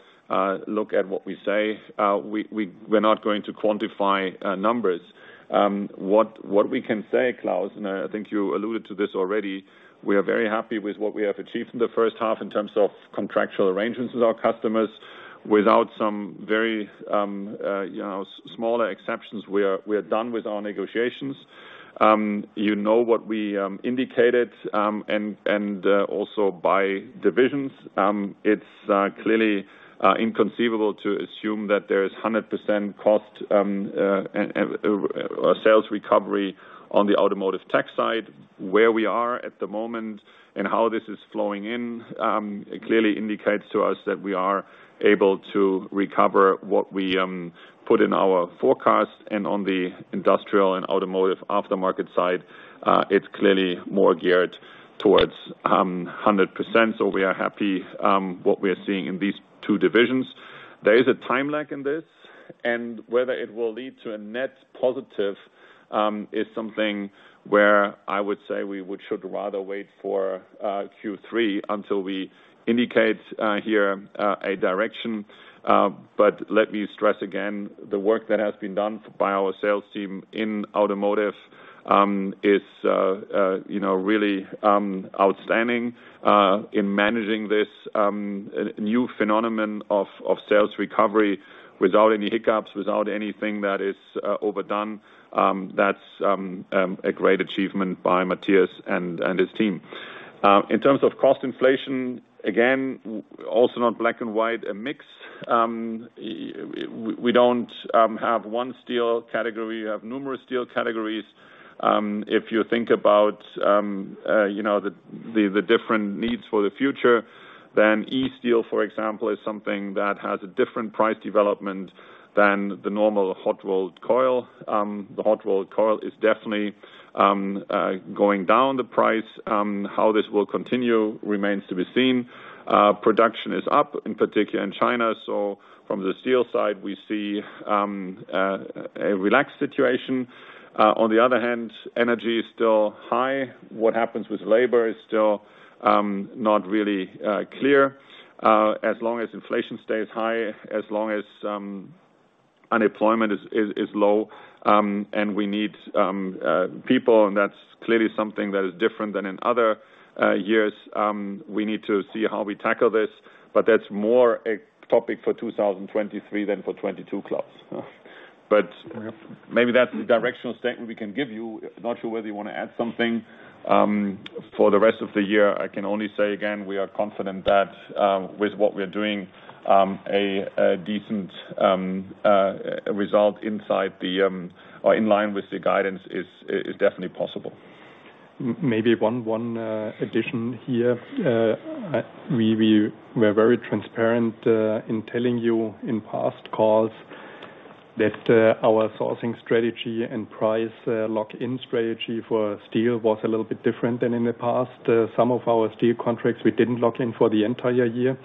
look at what we say, we're not going to quantify numbers. What we can say, Claus, and I think you alluded to this already, we are very happy with what we have achieved in the first half in terms of contractual arrangements with our customers. Without some very, you know, smaller exceptions, we are done with our negotiations. You know what we indicated, and also by divisions, it's clearly inconceivable to assume that there is 100% cost or sales recovery on the Automotive Technologies side. Where we are at the moment and how this is flowing in, it clearly indicates to us that we are able to recover what we put in our forecast. On the Industrial and Automotive Aftermarket side, it's clearly more geared towards 100%. We are happy what we're seeing in these two divisions. There is a time lag in this, and whether it will lead to a net positive is something where I would say we should rather wait for Q3 until we indicate here a direction. But let me stress again, the work that has been done by our sales team in automotive is you know really outstanding in managing this new phenomenon of sales recovery without any hiccups, without anything that is overdone. That's a great achievement by Matthias and his team. In terms of cost inflation, again, also not black and white, a mix. We don't have one steel category. We have numerous steel categories. If you think about, you know, the different needs for the future, then E-steel, for example, is something that has a different price development than the normal hot-rolled coil. The hot-rolled coil is definitely going down in price. How this will continue remains to be seen. Production is up, in particular in China. From the steel side, we see a relaxed situation. On the other hand, energy is still high. What happens with labor is still not really clear. As long as inflation stays high, as long as unemployment is low, and we need people, and that's clearly something that is different than in other years, we need to see how we tackle this. That's more a topic for 2023 than for 2022, Claus. Maybe that's the directional statement we can give you. Not sure whether you wanna add something for the rest of the year. I can only say again, we are confident that with what we're doing, a decent result or in line with the guidance is definitely possible. Maybe one addition here. We're very transparent in telling you in past calls that our sourcing strategy and price lock-in strategy for steel was a little bit different than in the past. Some of our steel contracts we didn't lock in for the entire year,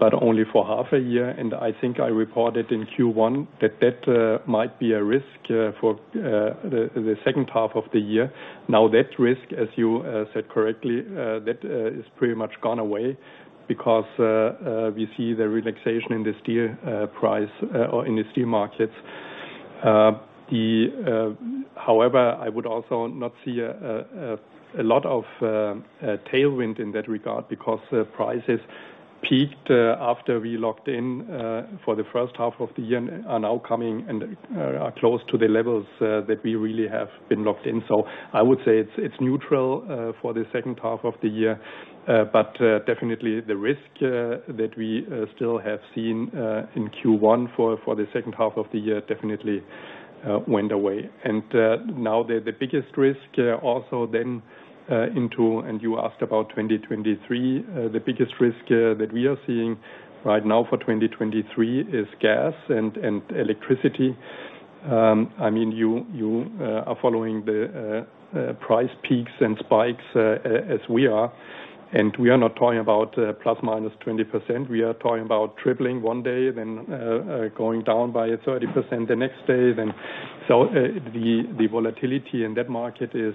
but only for half a year. I think I reported in Q1 that might be a risk for the second half of the year. Now, that risk, as you said correctly, that is pretty much gone away because we see the relaxation in the steel price or in the steel markets. However, I would also not see a lot of tailwind in that regard because the prices peaked after we locked in for the first half of the year and are now close to the levels that we really have been locked in. I would say it's neutral for the second half of the year. Definitely the risk that we still have seen in Q1 for the second half of the year definitely went away. You asked about 2023. The biggest risk that we are seeing right now for 2023 is gas and electricity. I mean, you are following the price peaks and spikes as we are, and we are not talking about plus minus 20%. We are talking about tripling one day, then going down by 30% the next day. The volatility in that market is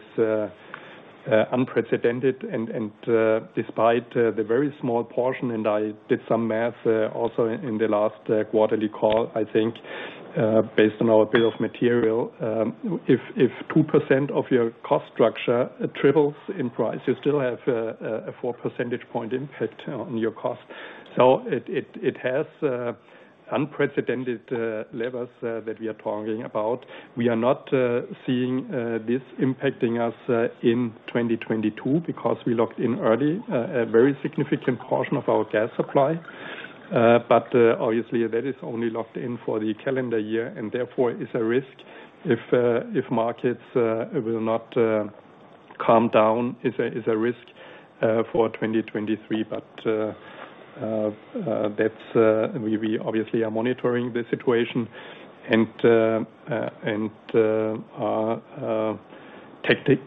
unprecedented and, despite the very small portion, I did some math also in the last quarterly call. I think, based on our bill of material, if 2% of your cost structure triples in price, you still have a 4 percentage point impact on your cost. It has unprecedented levels that we are talking about. We are not seeing this impacting us in 2022 because we locked in early a very significant portion of our gas supply. Obviously that is only locked in for the calendar year and therefore is a risk if markets will not calm down, is a risk for 2023. That's, we obviously are monitoring the situation and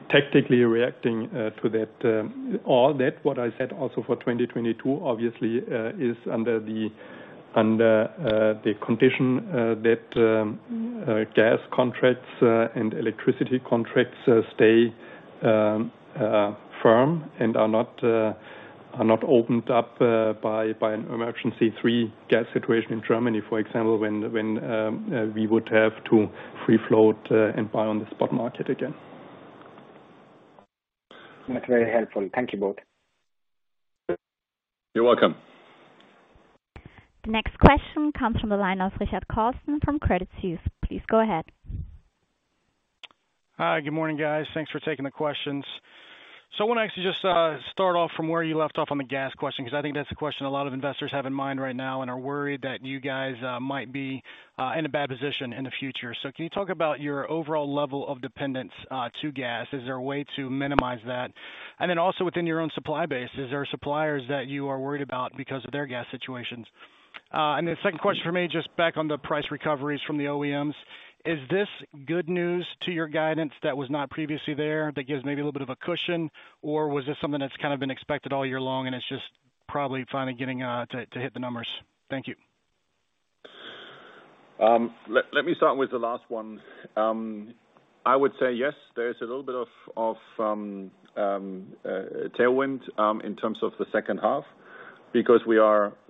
tactically reacting to that. All that what I said also for 2022 obviously is under the condition that gas contracts and electricity contracts stay firm and are not opened up by an emergency three gas situation in Germany, for example, when we would have to free float and buy on the spot market again. That's very helpful. Thank you both. You're welcome. The next question comes from the line of Richard Carlson from Credit Suisse. Please go ahead. Hi. Good morning, guys. Thanks for taking the questions. I want to actually just start off from where you left off on the gas question, because I think that's a question a lot of investors have in mind right now and are worried that you guys might be in a bad position in the future. Can you talk about your overall level of dependence to gas? Is there a way to minimize that? And then also within your own supply base, is there suppliers that you are worried about because of their gas situations? The second question for me, just back on the price recoveries from the OEMs, is this good news to your guidance that was not previously there, that gives maybe a little bit of a cushion, or was this something that's kind of been expected all year long and it's just probably finally getting to hit the numbers? Thank you. Let me start with the last one. I would say yes, there is a little bit of tailwind in terms of the second half because we have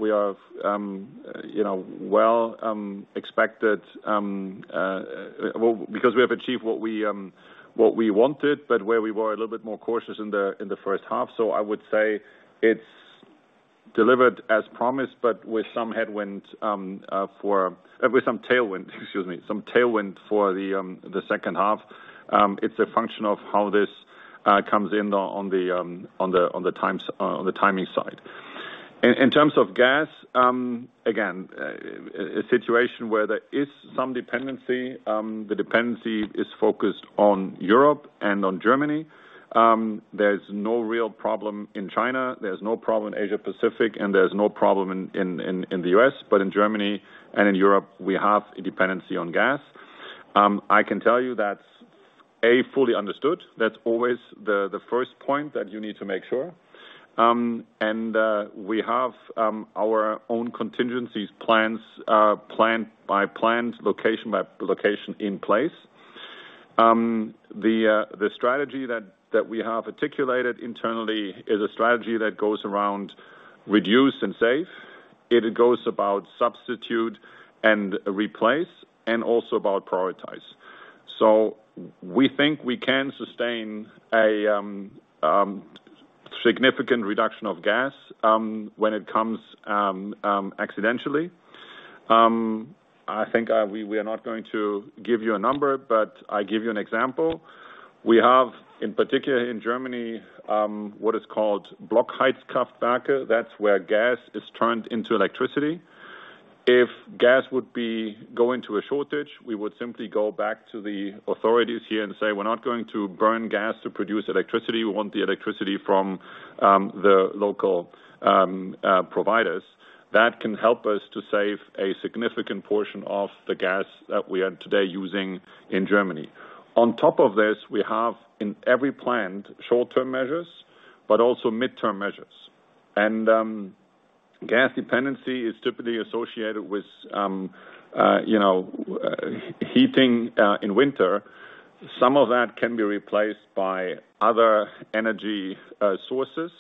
achieved what we wanted, but where we were a little bit more cautious in the first half. I would say it's delivered as promised, but with some headwind. With some tailwind, excuse me, some tailwind for the second half. It's a function of how this comes in on the timing side. In terms of gas, again, a situation where there is some dependency, the dependency is focused on Europe and on Germany. There's no real problem in China, there's no problem in Asia-Pacific, and there's no problem in the U.S. In Germany and in Europe, we have a dependency on gas. I can tell you that's fully understood. That's always the first point that you need to make sure. We have our own contingency plans, plant by plant, location by location in place. The strategy that we have articulated internally is a strategy that revolves around reduce and save. It revolves around substitute and replace and also around prioritize. We think we can sustain a significant reduction of gas when it comes abruptly. I think we are not going to give you a number, but I give you an example. We have in particular in Germany what is called Blockheizkraftwerke. That's where gas is turned into electricity. If gas would be going to a shortage, we would simply go back to the authorities here and say, we're not going to burn gas to produce electricity. We want the electricity from the local providers. That can help us to save a significant portion of the gas that we are today using in Germany. On top of this, we have in every plant short-term measures, but also midterm measures. Gas dependency is typically associated with you know, heating in winter. Some of that can be replaced by other energy sources.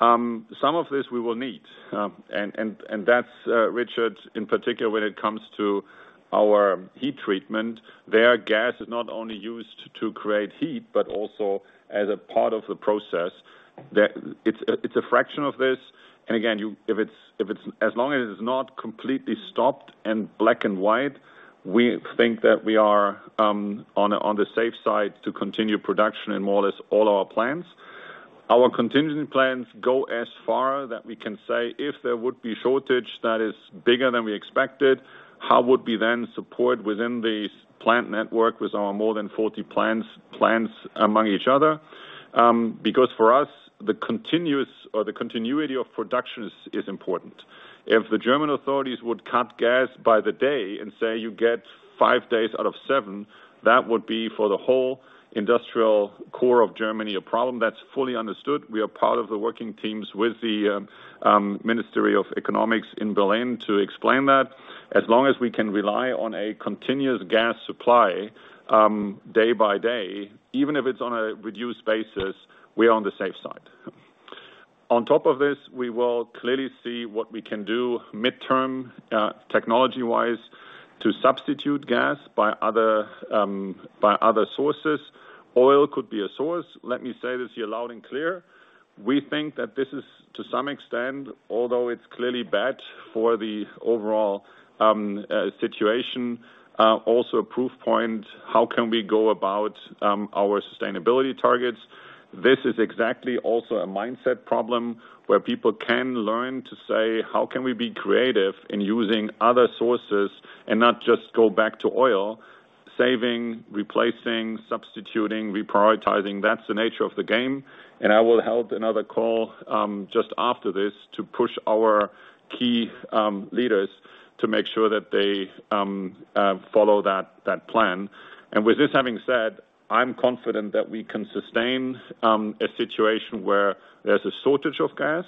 Some of this we will need, and that's, Richard, in particular, when it comes to our heat treatment, their gas is not only used to create heat, but also as a part of the process that it's a fraction of this. Again, you if it's, as long as it's not completely stopped and black and white, we think that we are on the safe side to continue production in more or less all our plants. Our contingency plans go as far that we can say if there would be shortage that is bigger than we expected, how would we then support within these plant network with our more than 40 plants among each other? Because for us, the continuous or the continuity of production is important. If the German authorities would cut gas by the day and say you get five days out of seven, that would be for the whole industrial core of Germany, a problem that's fully understood. We are part of the working teams with the Ministry of Economics in Berlin to explain that. As long as we can rely on a continuous gas supply, day by day, even if it's on a reduced basis, we are on the safe side. On top of this, we will clearly see what we can do midterm, technology-wise to substitute gas by other sources. Oil could be a source. Let me say this here loud and clear, we think that this is to some extent, although it's clearly bad for the overall situation, also a proof point, how can we go about our sustainability targets. This is exactly also a mindset problem where people can learn to say, how can we be creative in using other sources and not just go back to oil. Saving, replacing, substituting, reprioritizing, that's the nature of the game. I will hold another call just after this to push our key leaders to make sure that they follow that plan. With this having said, I'm confident that we can sustain a situation where there's a shortage of gas.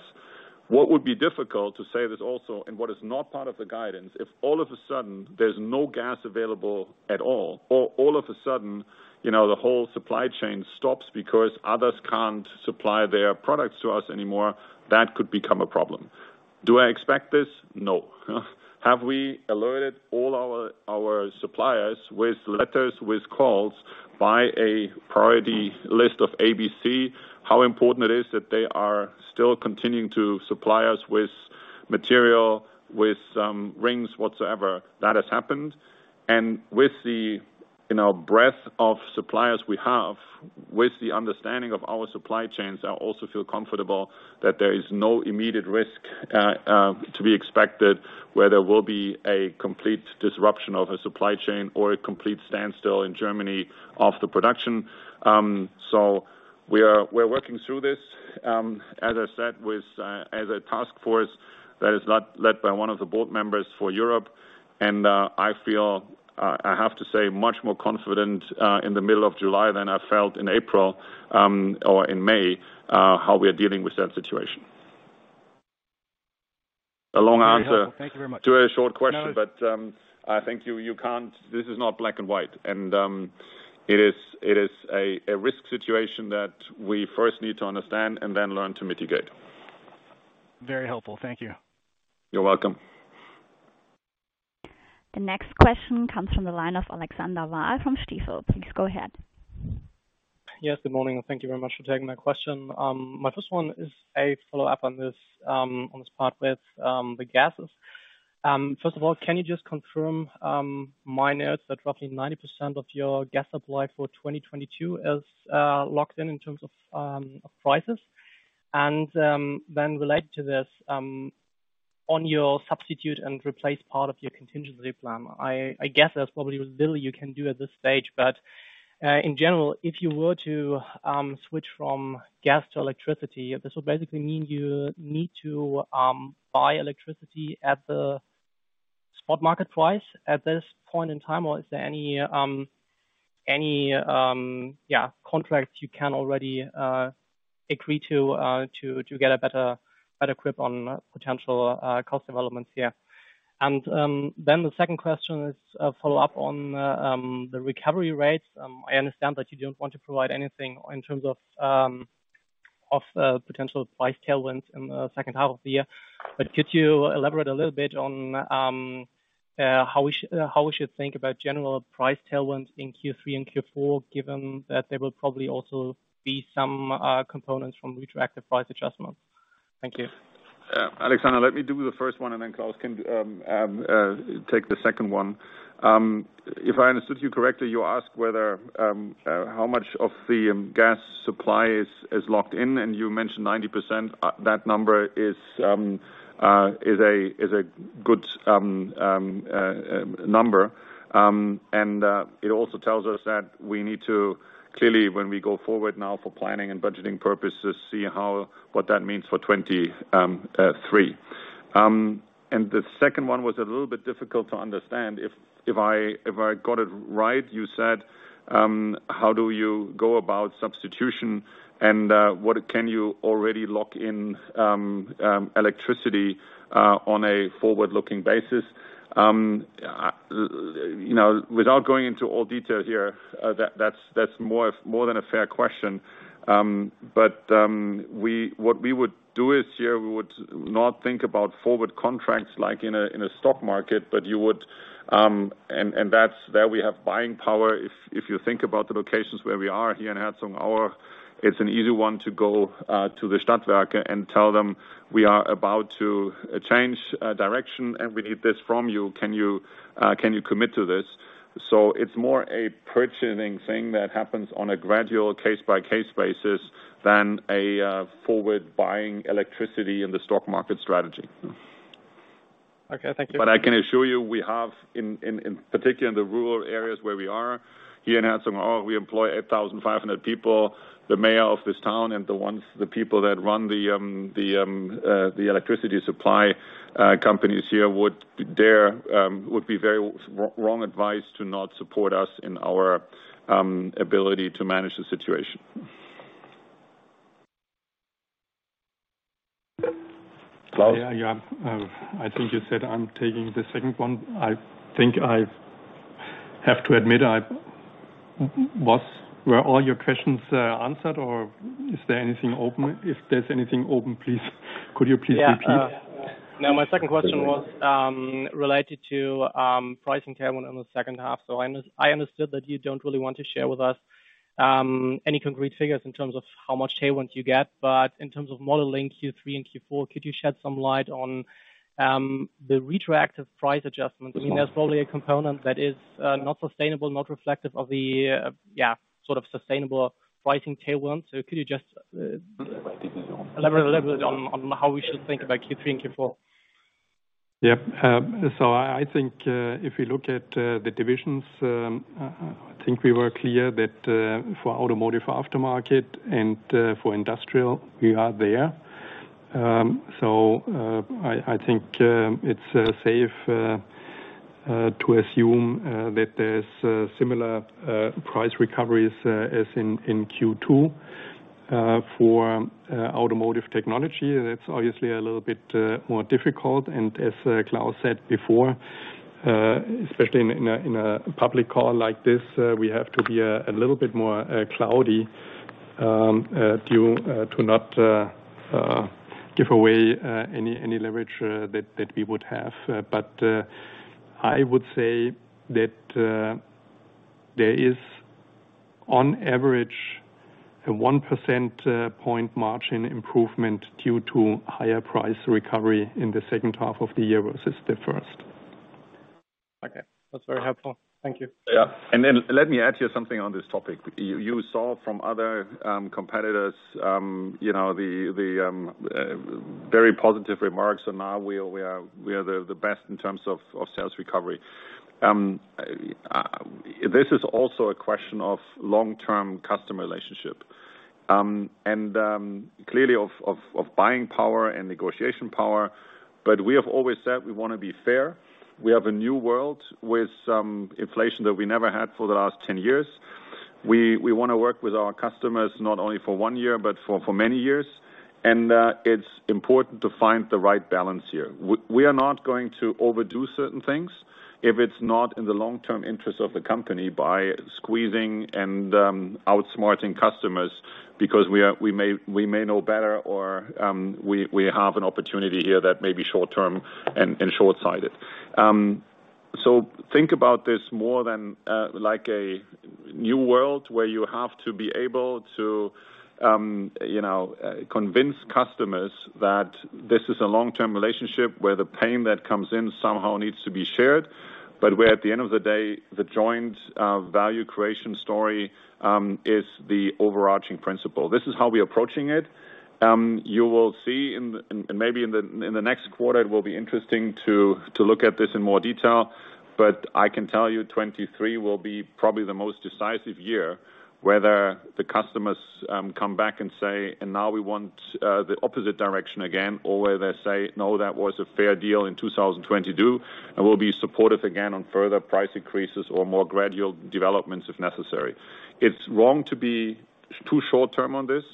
What would be difficult to say this also, and what is not part of the guidance, if all of a sudden there's no gas available at all, or all of a sudden, you know, the whole supply chain stops because others can't supply their products to us anymore, that could become a problem. Do I expect this? No. Have we alerted all our suppliers with letters, with calls by a priority list of A, B, C, how important it is that they are still continuing to supply us with material, with rings, whatsoever? That has happened. With the, you know, breadth of suppliers we have, with the understanding of our supply chains, I also feel comfortable that there is no immediate risk to be expected, where there will be a complete disruption of a supply chain or a complete standstill in Germany of the production. We're working through this, as I said, with a task force that is led by one of the board members for Europe. I feel, I have to say, much more confident in the middle of July than I felt in April or in May how we are dealing with that situation. A long answer- Very helpful. Thank you very much. To a short question. No. I think you can't. This is not black and white. It is a risk situation that we first need to understand and then learn to mitigate. Very helpful. Thank you. You're welcome. The next question comes from the line of Alexander Wahl from Stifel. Please go ahead. Yes, good morning, and thank you very much for taking my question. My first one is a follow-up on this part with the gases. First of all, can you just confirm my notes that roughly 90% of your gas supply for 2022 is locked in terms of prices? Then related to this, on your substitute and replace part of your contingency plan, I guess there's probably little you can do at this stage, but in general, if you were to switch from gas to electricity, this would basically mean you need to buy electricity at the spot market price at this point in time? Is there any contracts you can already agree to get a better grip on potential cost developments here? The second question is a follow-up on the recovery rates. I understand that you don't want to provide anything in terms of potential price tailwinds in the second half of the year. Could you elaborate a little bit on how we should think about general price tailwinds in Q3 and Q4, given that there will probably also be some components from retroactive price adjustments? Thank you. Alexander, let me do the first one, and then Claus can take the second one. If I understood you correctly, you asked how much of the gas supply is locked in, and you mentioned 90%. That number is a good number. It also tells us that we need to clearly, when we go forward now for planning and budgeting purposes, see what that means for 2023. The second one was a little bit difficult to understand. If I got it right, you said how do you go about substitution and what can you already lock in electricity on a forward-looking basis? You know, without going into all detail here, that's more than a fair question. But what we would do is we would not think about forward contracts like in a stock market, but you would, and that's where we have buying power. If you think about the locations where we are here in Herzogenaurach, it's an easy one to go to the Stadtwerke and tell them we are about to change direction, and we need this from you. Can you commit to this? So it's more a purchasing thing that happens on a gradual case-by-case basis than a forward buying electricity in the stock market strategy. Okay, thank you. I can assure you, we have in particular in the rural areas where we are. Here in Herzogenaurach we employ 8,500 people. The mayor of this town and the ones, the people that run the electricity supply companies here, would dare, would be very wrong advice to not support us in our ability to manage the situation. Claus? Yeah. Yeah. I think you said I'm taking the second one. I think I have to admit. Were all your questions answered or is there anything open? If there's anything open, please, could you please repeat? Yeah. No, my second question was related to pricing tailwind in the second half. I understood that you don't really want to share with us any concrete figures in terms of how much tailwind you get. In terms of modeling Q3 and Q4, could you shed some light on the retroactive price adjustments? I mean, there's probably a component that is not sustainable, not reflective of the yeah, sort of sustainable pricing tailwind. Could you just elaborate a little bit on how we should think about Q3 and Q4? I think if we look at the divisions, I think we were clear that for Automotive Aftermarket and for Industrial, we are there. I think it's safe to assume that there's similar price recoveries as in Q2. For Automotive Technologies, that's obviously a little bit more difficult, and as Klaus said before, especially in a public call like this, we have to be a little bit more cloudy to not give away any leverage that we would have. I would say that there is on average a 1 percentage point margin improvement due to higher price recovery in the second half of the year versus the first. Okay, that's very helpful. Thank you. Yeah. Then let me add here something on this topic. You saw from other competitors, you know, the very positive remarks and how we are the best in terms of sales recovery. This is also a question of long-term customer relationship and clearly of buying power and negotiation power, but we have always said we wanna be fair. We have a new world with some inflation that we never had for the last 10 years. We wanna work with our customers not only for one year, but for many years. It's important to find the right balance here. We are not going to overdo certain things if it's not in the long-term interest of the company by squeezing and outsmarting customers because we may know better or we have an opportunity here that may be short-term and shortsighted. Think about this more than like a new world, where you have to be able to you know convince customers that this is a long-term relationship, where the pain that comes in somehow needs to be shared, but where at the end of the day, the joint value creation story is the overarching principle. This is how we're approaching it. You will see in the next quarter, it will be interesting to look at this in more detail, but I can tell you, 2023 will be probably the most decisive year, whether the customers come back and say, "Now we want the opposite direction again," or where they say, "No, that was a fair deal in 2022, and we'll be supportive again on further price increases or more gradual developments if necessary." It's wrong to be too short-term on this.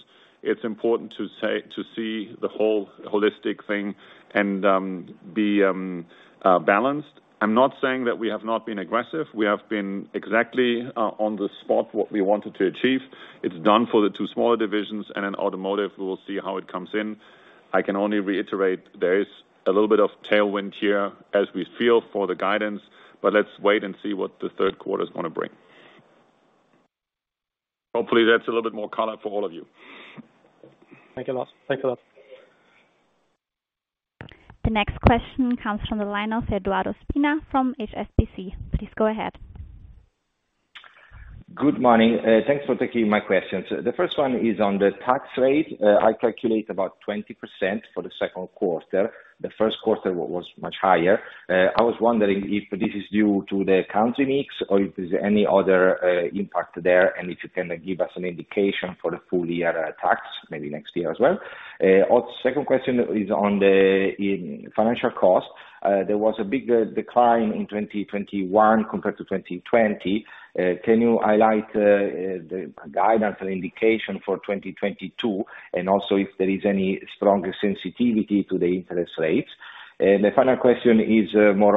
It's important to see the whole holistic thing and be balanced. I'm not saying that we have not been aggressive. We have been exactly on the spot what we wanted to achieve. It's done for the two smaller divisions, and in automotive we will see how it comes in. I can only reiterate there is a little bit of tailwind here as we feel for the guidance, but let's wait and see what the third quarter's gonna bring. Hopefully, that's a little bit more color for all of you. Thank you, Klaus. Thanks a lot. The next question comes from the line of Edoardo Spina from HSBC. Please go ahead. Good morning. Thanks for taking my questions. The first one is on the tax rate. I calculate about 20% for the second quarter. The first quarter was much higher. I was wondering if this is due to the country mix or if there's any other impact there, and if you can give us an indication for the full year tax, maybe next year as well. My second question is on the finance costs. There was a big decline in 2021 compared to 2020. Can you highlight the guidance or indication for 2022, and also if there is any stronger sensitivity to the interest rates? The final question is more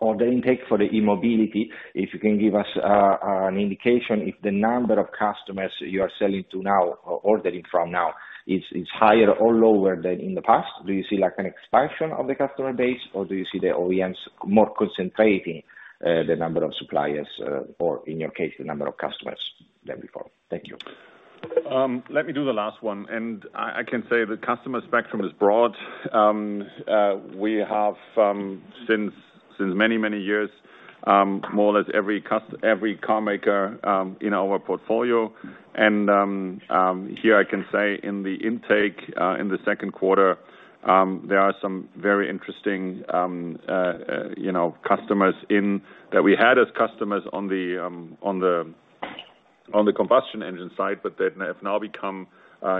on the intake for the E-Mobility. If you can give us an indication if the number of customers you are selling to now or ordering from now is higher or lower than in the past. Do you see like an expansion of the customer base, or do you see the OEMs more concentrating the number of suppliers, or in your case, the number of customers than before? Thank you. Let me do the last one, and I can say the customer spectrum is broad. We have since many years, more or less every car maker in our portfolio. Here I can say in the intake, in the second quarter, there are some very interesting, you know, customers that we had as customers on the combustion engine side, but they have now become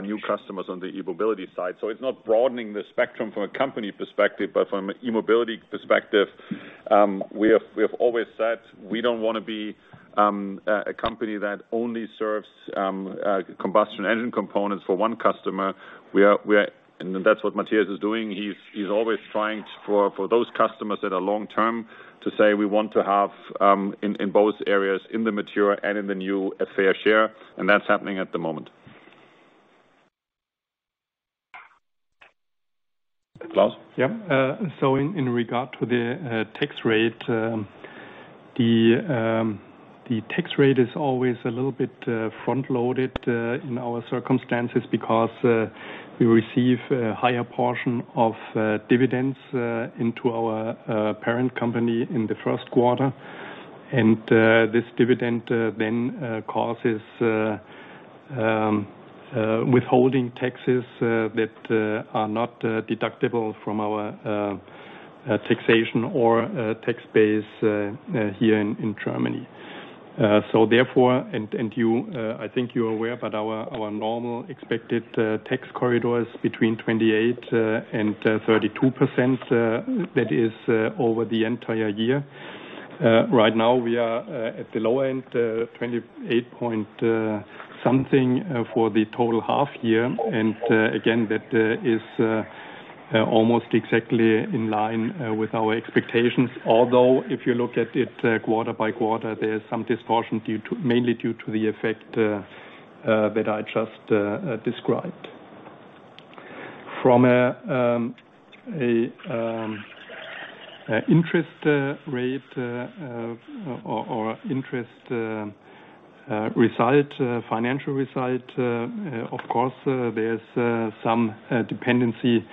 new customers on the E-Mobility side. It's not broadening the spectrum from a company perspective, but from a E-Mobility perspective, we have always said we don't wanna be a company that only serves combustion engine components for one customer. We are. That's what Matthias is doing. He's always trying for those customers that are long-term to say we want to have in both areas, in the mature and in the new, a fair share, and that's happening at the moment. Claus? In regard to the tax rate, the tax rate is always a little bit front-loaded in our circumstances because we receive a higher portion of dividends into our parent company in the first quarter. This dividend then causes withholding taxes that are not deductible from our taxation or tax base here in Germany. You, I think you're aware, but our normal expected tax corridor is between 28%-32% that is over the entire year. Right now we are at the low end, 28 point something for the total half year. Again, that is almost exactly in line with our expectations. Although if you look at it quarter by quarter, there's some distortion due to, mainly due to the effect that I just described. From an interest rate or interest result, financial result, of course, there's some dependency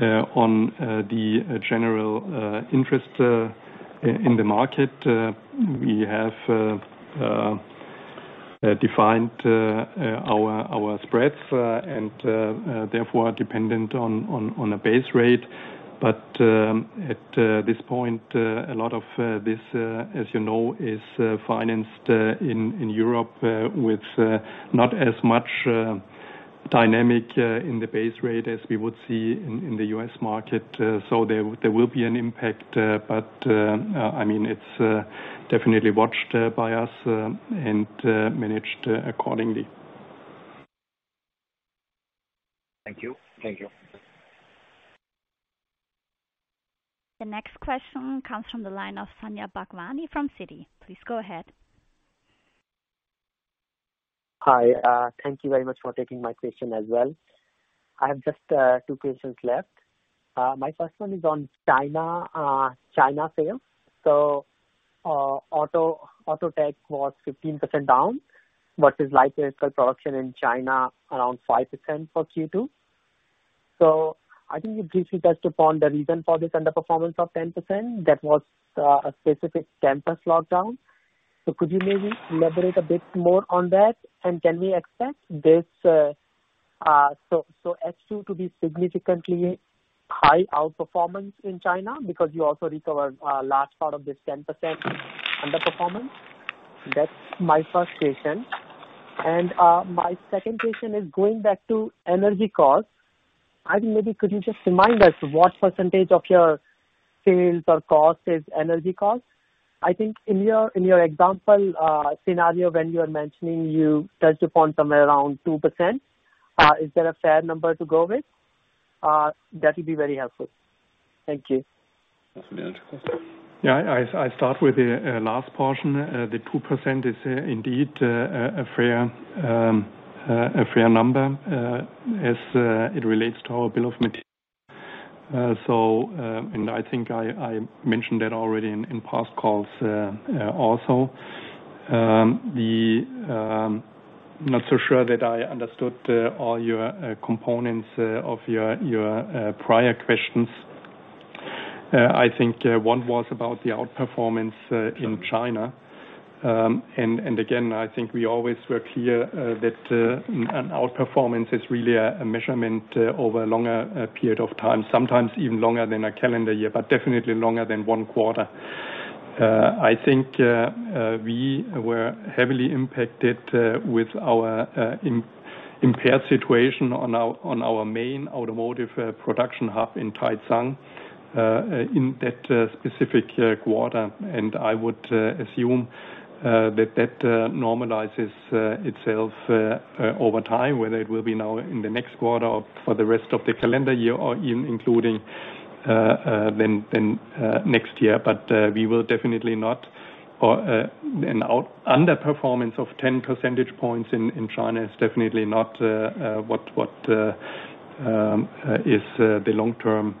on the general interest in the market. We have defined our spreads and therefore are dependent on a base rate. At this point, a lot of this, as you know, is financed in Europe with not as much dynamic in the base rate as we would see in the U.S. market. There will be an impact, but I mean, it's definitely watched by us and managed accordingly. Thank you. The next question comes from the line of Sanjay Bhagwani from Citi. Please go ahead. Hi. Thank you very much for taking my question as well. I have just two questions left. My first one is on China sales. Auto tech was 15% down, but light vehicle production in China around 5% for Q2. I think you briefly touched upon the reason for this underperformance of 10%. That was a specific campus lockdown. Could you maybe elaborate a bit more on that? Can we expect so H2 to be significantly higher outperformance in China because you also recovered last part of this 10% underperformance? That's my first question. My second question is going back to energy costs. I think maybe you could just remind us what percentage of your sales or costs is energy costs? I think in your example, scenario, when you are mentioning, you touched upon somewhere around 2%. Is that a fair number to go with? That would be very helpful. Thank you. You want to answer, Claus? Yeah. I start with the last portion. The 2% is indeed a fair number as it relates to our bill of materials. I think I mentioned that already in past calls also. Not so sure that I understood all your components of your prior questions. I think one was about the outperformance in China. Again, I think we always were clear that an outperformance is really a measurement over a longer period of time, sometimes even longer than a calendar year, but definitely longer than one quarter. I think we were heavily impacted with our impaired situation on our main automotive production hub in Taicang in that specific quarter. I would assume that normalizes itself over time, whether it will be now in the next quarter or for the rest of the calendar year or even including then next year. We will definitely not. An underperformance of 10 percentage points in China is definitely not what is the long-term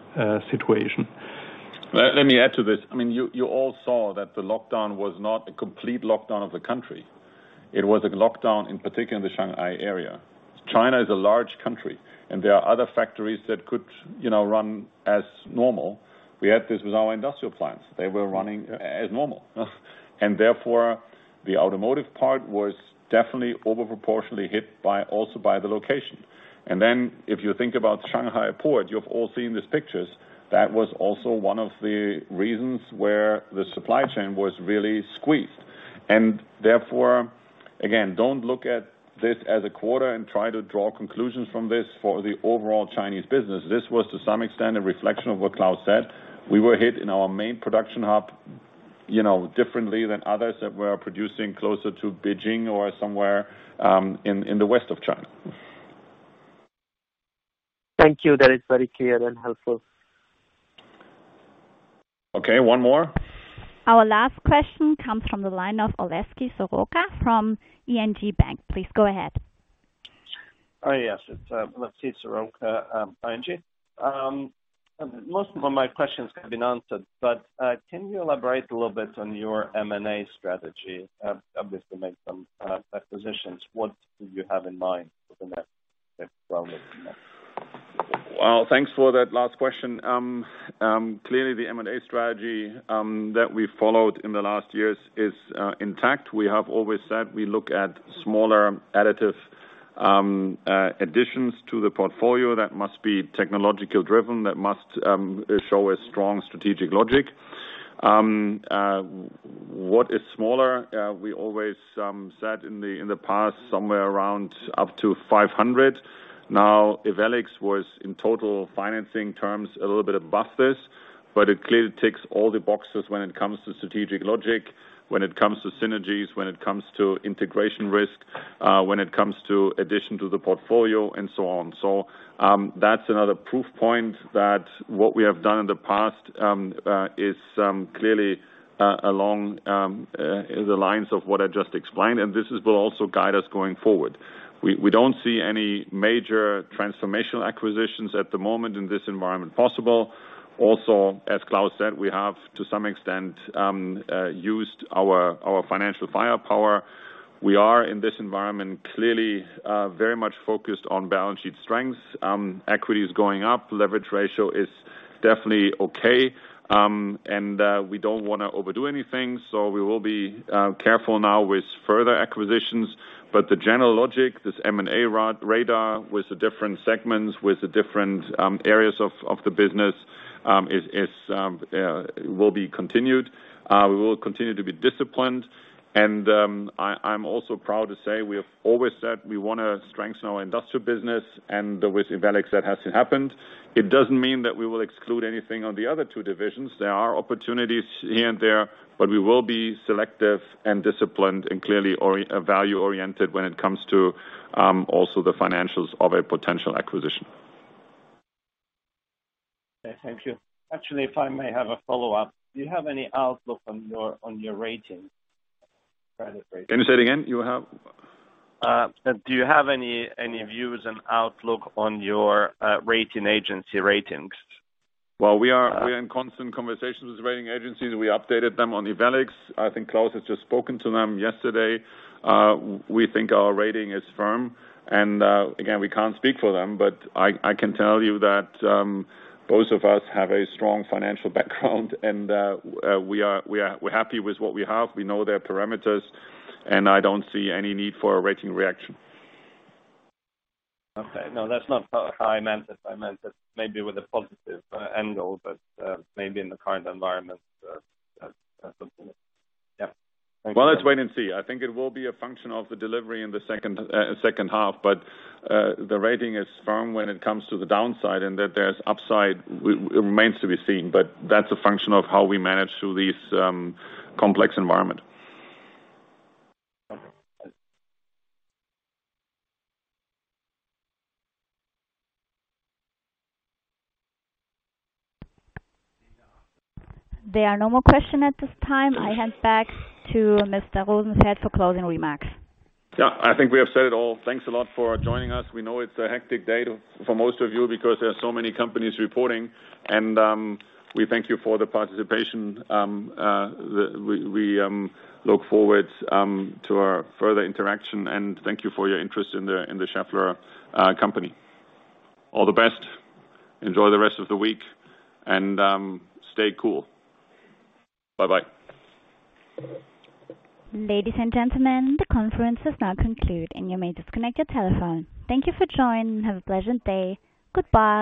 situation. Let me add to this. I mean, you all saw that the lockdown was not a complete lockdown of the country. It was a lockdown in particular in the Shanghai area. China is a large country, and there are other factories that could, you know, run as normal. We had this with our industrial plants. They were running as normal. Therefore, the automotive part was definitely over proportionally hit by also by the location. If you think about Shanghai Port, you've all seen these pictures. That was also one of the reasons where the supply chain was really squeezed. Therefore, again, don't look at this as a quarter and try to draw conclusions from this for the overall Chinese business. This was to some extent, a reflection of what Claus said. We were hit in our main production hub, you know, differently than others that were producing closer to Beijing or somewhere in the west of China. Thank you. That is very clear and helpful. Okay, one more. Our last question comes from the line of Oleksiy Soroka from ING Bank. Please go ahead. Yes. It's Oleksiy Soroka, ING. Most of my questions have been answered, but can you elaborate a little bit on your M&A strategy, obviously make some acquisitions. What do you have in mind for the next round of M&A? Well, thanks for that last question. Clearly the M&A strategy that we followed in the last years is intact. We have always said we look at smaller additive additions to the portfolio that must be technological driven, that must show a strong strategic logic. What is smaller? We always said in the past, somewhere around up to 500 million. Now, Ewellix was in total financing terms a little bit above this, but it clearly ticks all the boxes when it comes to strategic logic, when it comes to synergies, when it comes to integration risk, when it comes to addition to the portfolio and so on. That's another proof point that what we have done in the past is clearly along the lines of what I just explained, and this will also guide us going forward. We don't see any major transformational acquisitions at the moment in this environment possible. Also, as Claus said, we have to some extent used our financial firepower. We are in this environment clearly very much focused on balance sheet strength. Equity is going up, leverage ratio is definitely okay, and we don't wanna overdo anything, so we will be careful now with further acquisitions. But the general logic, this M&A radar with the different segments, with the different areas of the business, will be continued. We will continue to be disciplined. I'm also proud to say we have always said we wanna strengthen our industrial business and with Ewellix that has happened. It doesn't mean that we will exclude anything on the other two divisions. There are opportunities here and there, but we will be selective and disciplined and clearly value-oriented when it comes to also the financials of a potential acquisition. Okay, thank you. Actually, if I may have a follow-up. Do you have any outlook on your ratings? Credit ratings. Can you say it again? You have? Do you have any views on outlook on your rating agency ratings? Well, we are. Uh. We are in constant conversations with the rating agencies. We updated them on Ewellix. I think Claus has just spoken to them yesterday. We think our rating is firm. Again, we can't speak for them, but I can tell you that both of us have a strong financial background and we're happy with what we have. We know their parameters, and I don't see any need for a rating reaction. Okay. No, that's not how I meant it. I meant it maybe with a positive, angle, but, maybe in the current environment, that's something. Yeah. Thank you. Well, let's wait and see. I think it will be a function of the delivery in the second half, but the rating is firm when it comes to the downside, and the upside remains to be seen, but that's a function of how we manage through this complex environment. Okay. Thanks. There are no more questions at this time. I hand back to Mr. Rosenfeld for closing remarks. Yeah. I think we have said it all. Thanks a lot for joining us. We know it's a hectic day for most of you because there are so many companies reporting and we thank you for the participation. We look forward to our further interaction, and thank you for your interest in the Schaeffler company. All the best. Enjoy the rest of the week and stay cool. Bye-bye. Ladies and gentlemen, the conference is now concluded and you may disconnect your telephone. Thank you for joining and have a pleasant day. Goodbye.